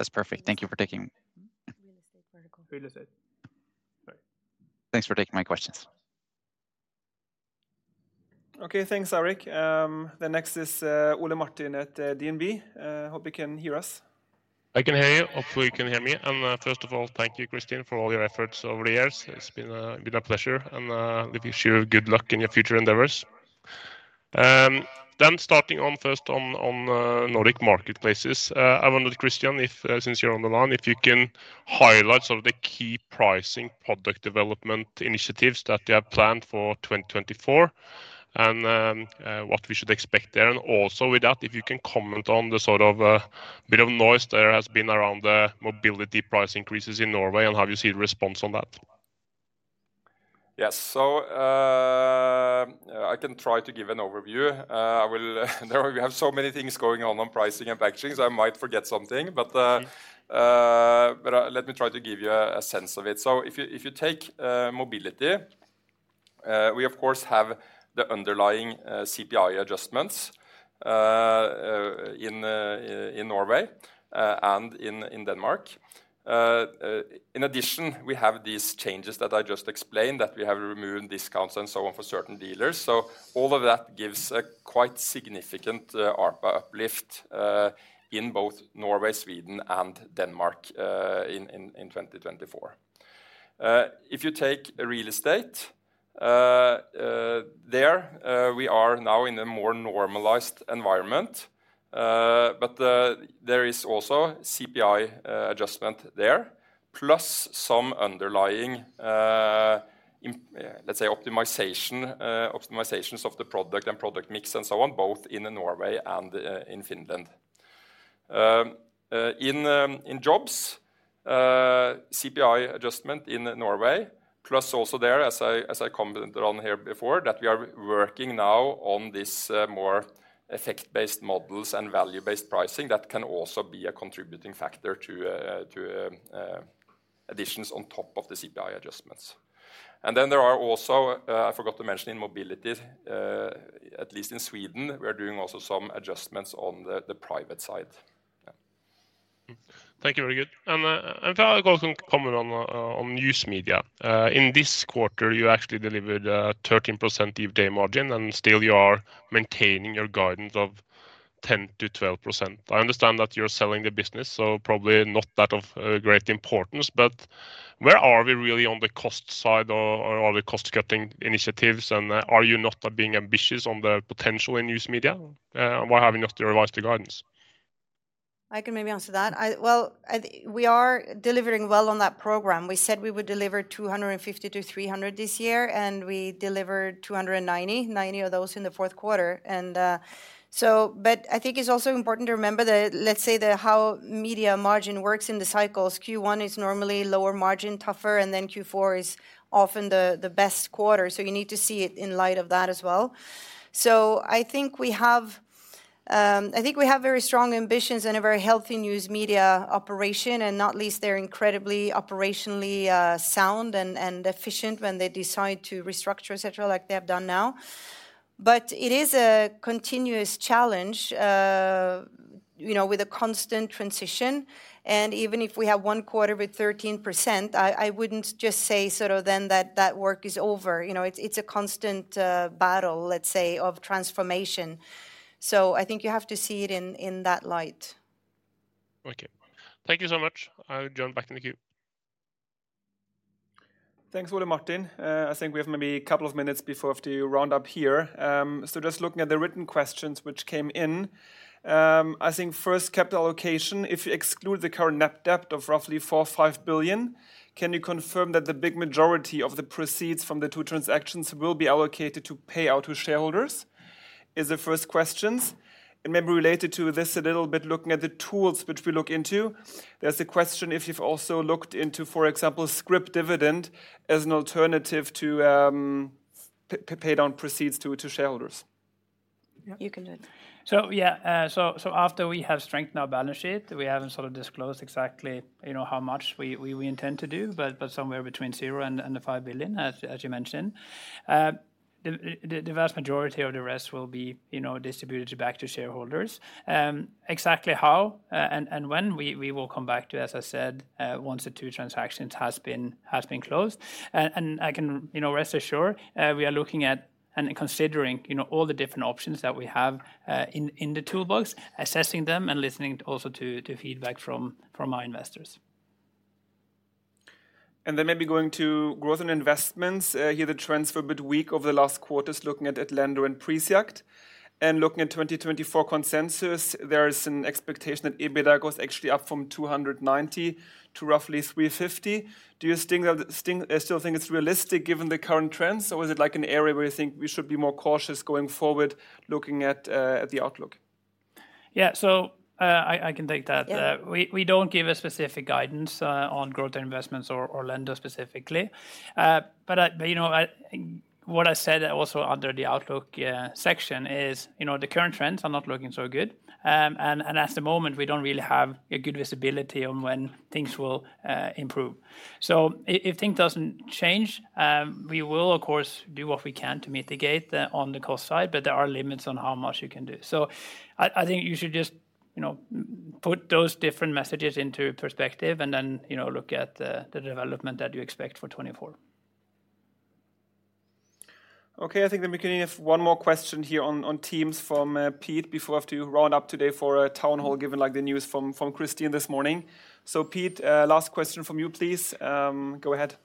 S3: So-
S6: That's perfect. Thank you for taking-
S2: Real Estate vertical.
S3: Real Estate. Sorry.
S6: Thanks for taking my questions.
S1: Okay. Thanks, Eirik. The next is Ole Martin at DNB. Hope you can hear us.
S11: I can hear you. Hopefully, you can hear me. And, first of all, thank you, Kristin, for all your efforts over the years. It's been a pleasure, and we wish you good luck in your future endeavors. Then, first on Nordic marketplaces, I wondered, Christian, if, since you're on the line, if you can highlight some of the key pricing product development initiatives that you have planned for 2024, and what we should expect there. And also with that, if you can comment on the sort of bit of noise there has been around the Mobility price increases in Norway, and how you see the response on that?
S7: Yes. So, I can try to give an overview. There we have so many things going on on pricing and packaging, so I might forget something. But, let me try to give you a sense of it. So if you take Mobility, we, of course, have the underlying CPI adjustments in Norway and in Denmark. In addition, we have these changes that I just explained, that we have removed discounts and so on for certain dealers. So all of that gives a quite significant ARPA uplift in both Norway, Sweden, and Denmark in 2024. If you take Real Estate, there, we are now in a more normalized environment, but there is also CPI adjustment there, plus some underlying, let's say, optimization, optimizations of the product and product mix, and so on, both in Norway and in Finland. In Jobs, CPI adjustment in Norway, plus also there, as I commented on here before, that we are working now on this more effect-based models and value-based pricing, that can also be a contributing factor to additions on top of the CPI adjustments. And then there are also I forgot to mention, in Mobility, at least in Sweden, we are doing also some adjustments on the private side. Yeah.
S11: Thank you. Very good. And, and if I could also comment on, on news media. In this quarter, you actually delivered, 13% EBITDA margin, and still you are maintaining your guidance of 10%-12%. I understand that you're selling the business, so probably not that of, great importance, but where are we really on the cost side or, or the cost-cutting initiatives, and, are you not, being ambitious on the potential in news media? Why have you not revised the guidance?
S2: I can maybe answer that. Well, I, we are delivering well on that program. We said we would deliver 250-300 this year, and we delivered 290, 90 of those in the fourth quarter. And, so but I think it's also important to remember that, let's say, the how media margin works in the cycles. Q1 is normally lower margin, tougher, and then Q4 is often the best quarter. So you need to see it in light of that as well. So I think we have, I think we have very strong ambitions and a very healthy news media operation, and not least, they're incredibly operationally sound and efficient when they decide to restructure, et cetera, like they have done now. It is a continuous challenge, you know, with a constant transition, and even if we have one quarter with 13%, I, I wouldn't just say sort of then that that work is over. You know, it's, it's a constant battle, let's say, of transformation. So I think you have to see it in, in that light.
S11: Okay. Thank you so much. I'll join back in the queue.
S1: Thanks, Ole Martin. I think we have maybe a couple of minutes before we have to round up here. So just looking at the written questions which came in, I think first, capital allocation. If you exclude the current net debt of roughly 4 billion-5 billion, can you confirm that the big majority of the proceeds from the two transactions will be allocated to payout to shareholders? Is the first questions. And maybe related to this a little bit, looking at the tools which we look into, there's a question if you've also looked into, for example, scrip dividend as an alternative to pay down proceeds to shareholders.
S2: You can do it.
S3: So yeah, so after we have strengthened our balance sheet, we haven't sort of disclosed exactly, you know, how much we intend to do, but somewhere between 0 and the 5 billion, as you mentioned. The vast majority of the rest will be, you know, distributed back to shareholders. Exactly how and when we will come back to, as I said, once the two transactions has been closed. And I can... You know, rest assured, we are looking at and considering, you know, all the different options that we have, in the toolbox, assessing them and listening also to feedback from our investors.
S1: And then maybe going to Growth & Investments. Here the trends have been a bit weak over the last quarters, looking at Lendo and Prisjakt. And looking at 2024 consensus, there is an expectation that EBITDA goes actually up from 290 to roughly 350. Do you still think it's realistic given the current trends, or is it like an area where you think we should be more cautious going forward, looking at the outlook?...
S3: Yeah, so, I can take that.
S2: Yeah.
S3: We don't give a specific guidance on growth investments or Lendo specifically. But you know, what I said also under the outlook section is, you know, the current trends are not looking so good. And at the moment, we don't really have a good visibility on when things will improve. So if things don't change, we will, of course, do what we can to mitigate on the cost side, but there are limits on how much you can do. So I think you should just, you know, put those different messages into perspective and then, you know, look at the development that you expect for 2024.
S1: Okay. I think then we can have one more question here on Teams from Pete before I have to round up today for a town hall, given, like, the news from Christian this morning. So, Pete, last question from you, please. Go ahead.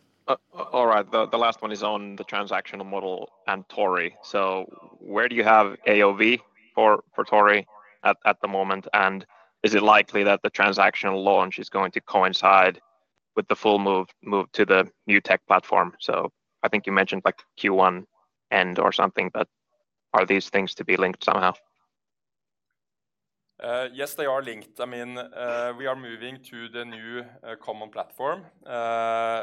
S6: All right. The last one is on the transactional model and Tori. So where do you have AOV for Tori at the moment? And is it likely that the transactional launch is going to coincide with the full move to the new tech platform? So I think you mentioned, like, Q1 end or something, but are these things to be linked somehow?
S7: Yes, they are linked. I mean, we are moving to the new common platform,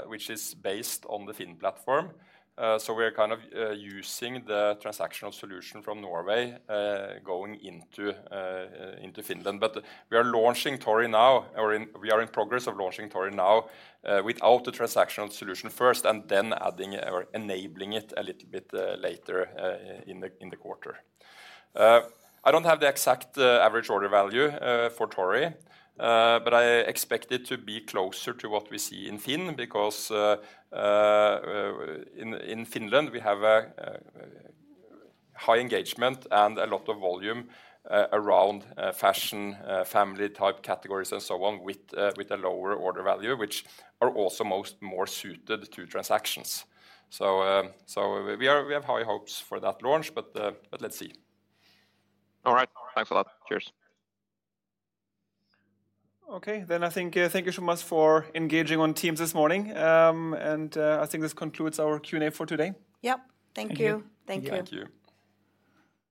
S7: which is based on the FINN platform. So we are kind of using the transactional solution from Norway, going into Finland. But we are launching Tori now, or in, we are in progress of launching Tori now, without the transactional solution first, and then adding or enabling it a little bit later, in the quarter. I don't have the exact average order value for Tori, but I expect it to be closer to what we see in FINN, because in Finland, we have a high engagement and a lot of volume around fashion family-type categories, and so on, with a lower order value, which are also more suited to transactions. So we have high hopes for that launch, but let's see.
S6: All right. Thanks a lot. Cheers.
S1: Okay. Then I think, thank you so much for engaging on Teams this morning. And I think this concludes our Q&A for today.
S2: Yep. Thank you.
S3: Thank you.
S2: Thank you.
S7: Thank you.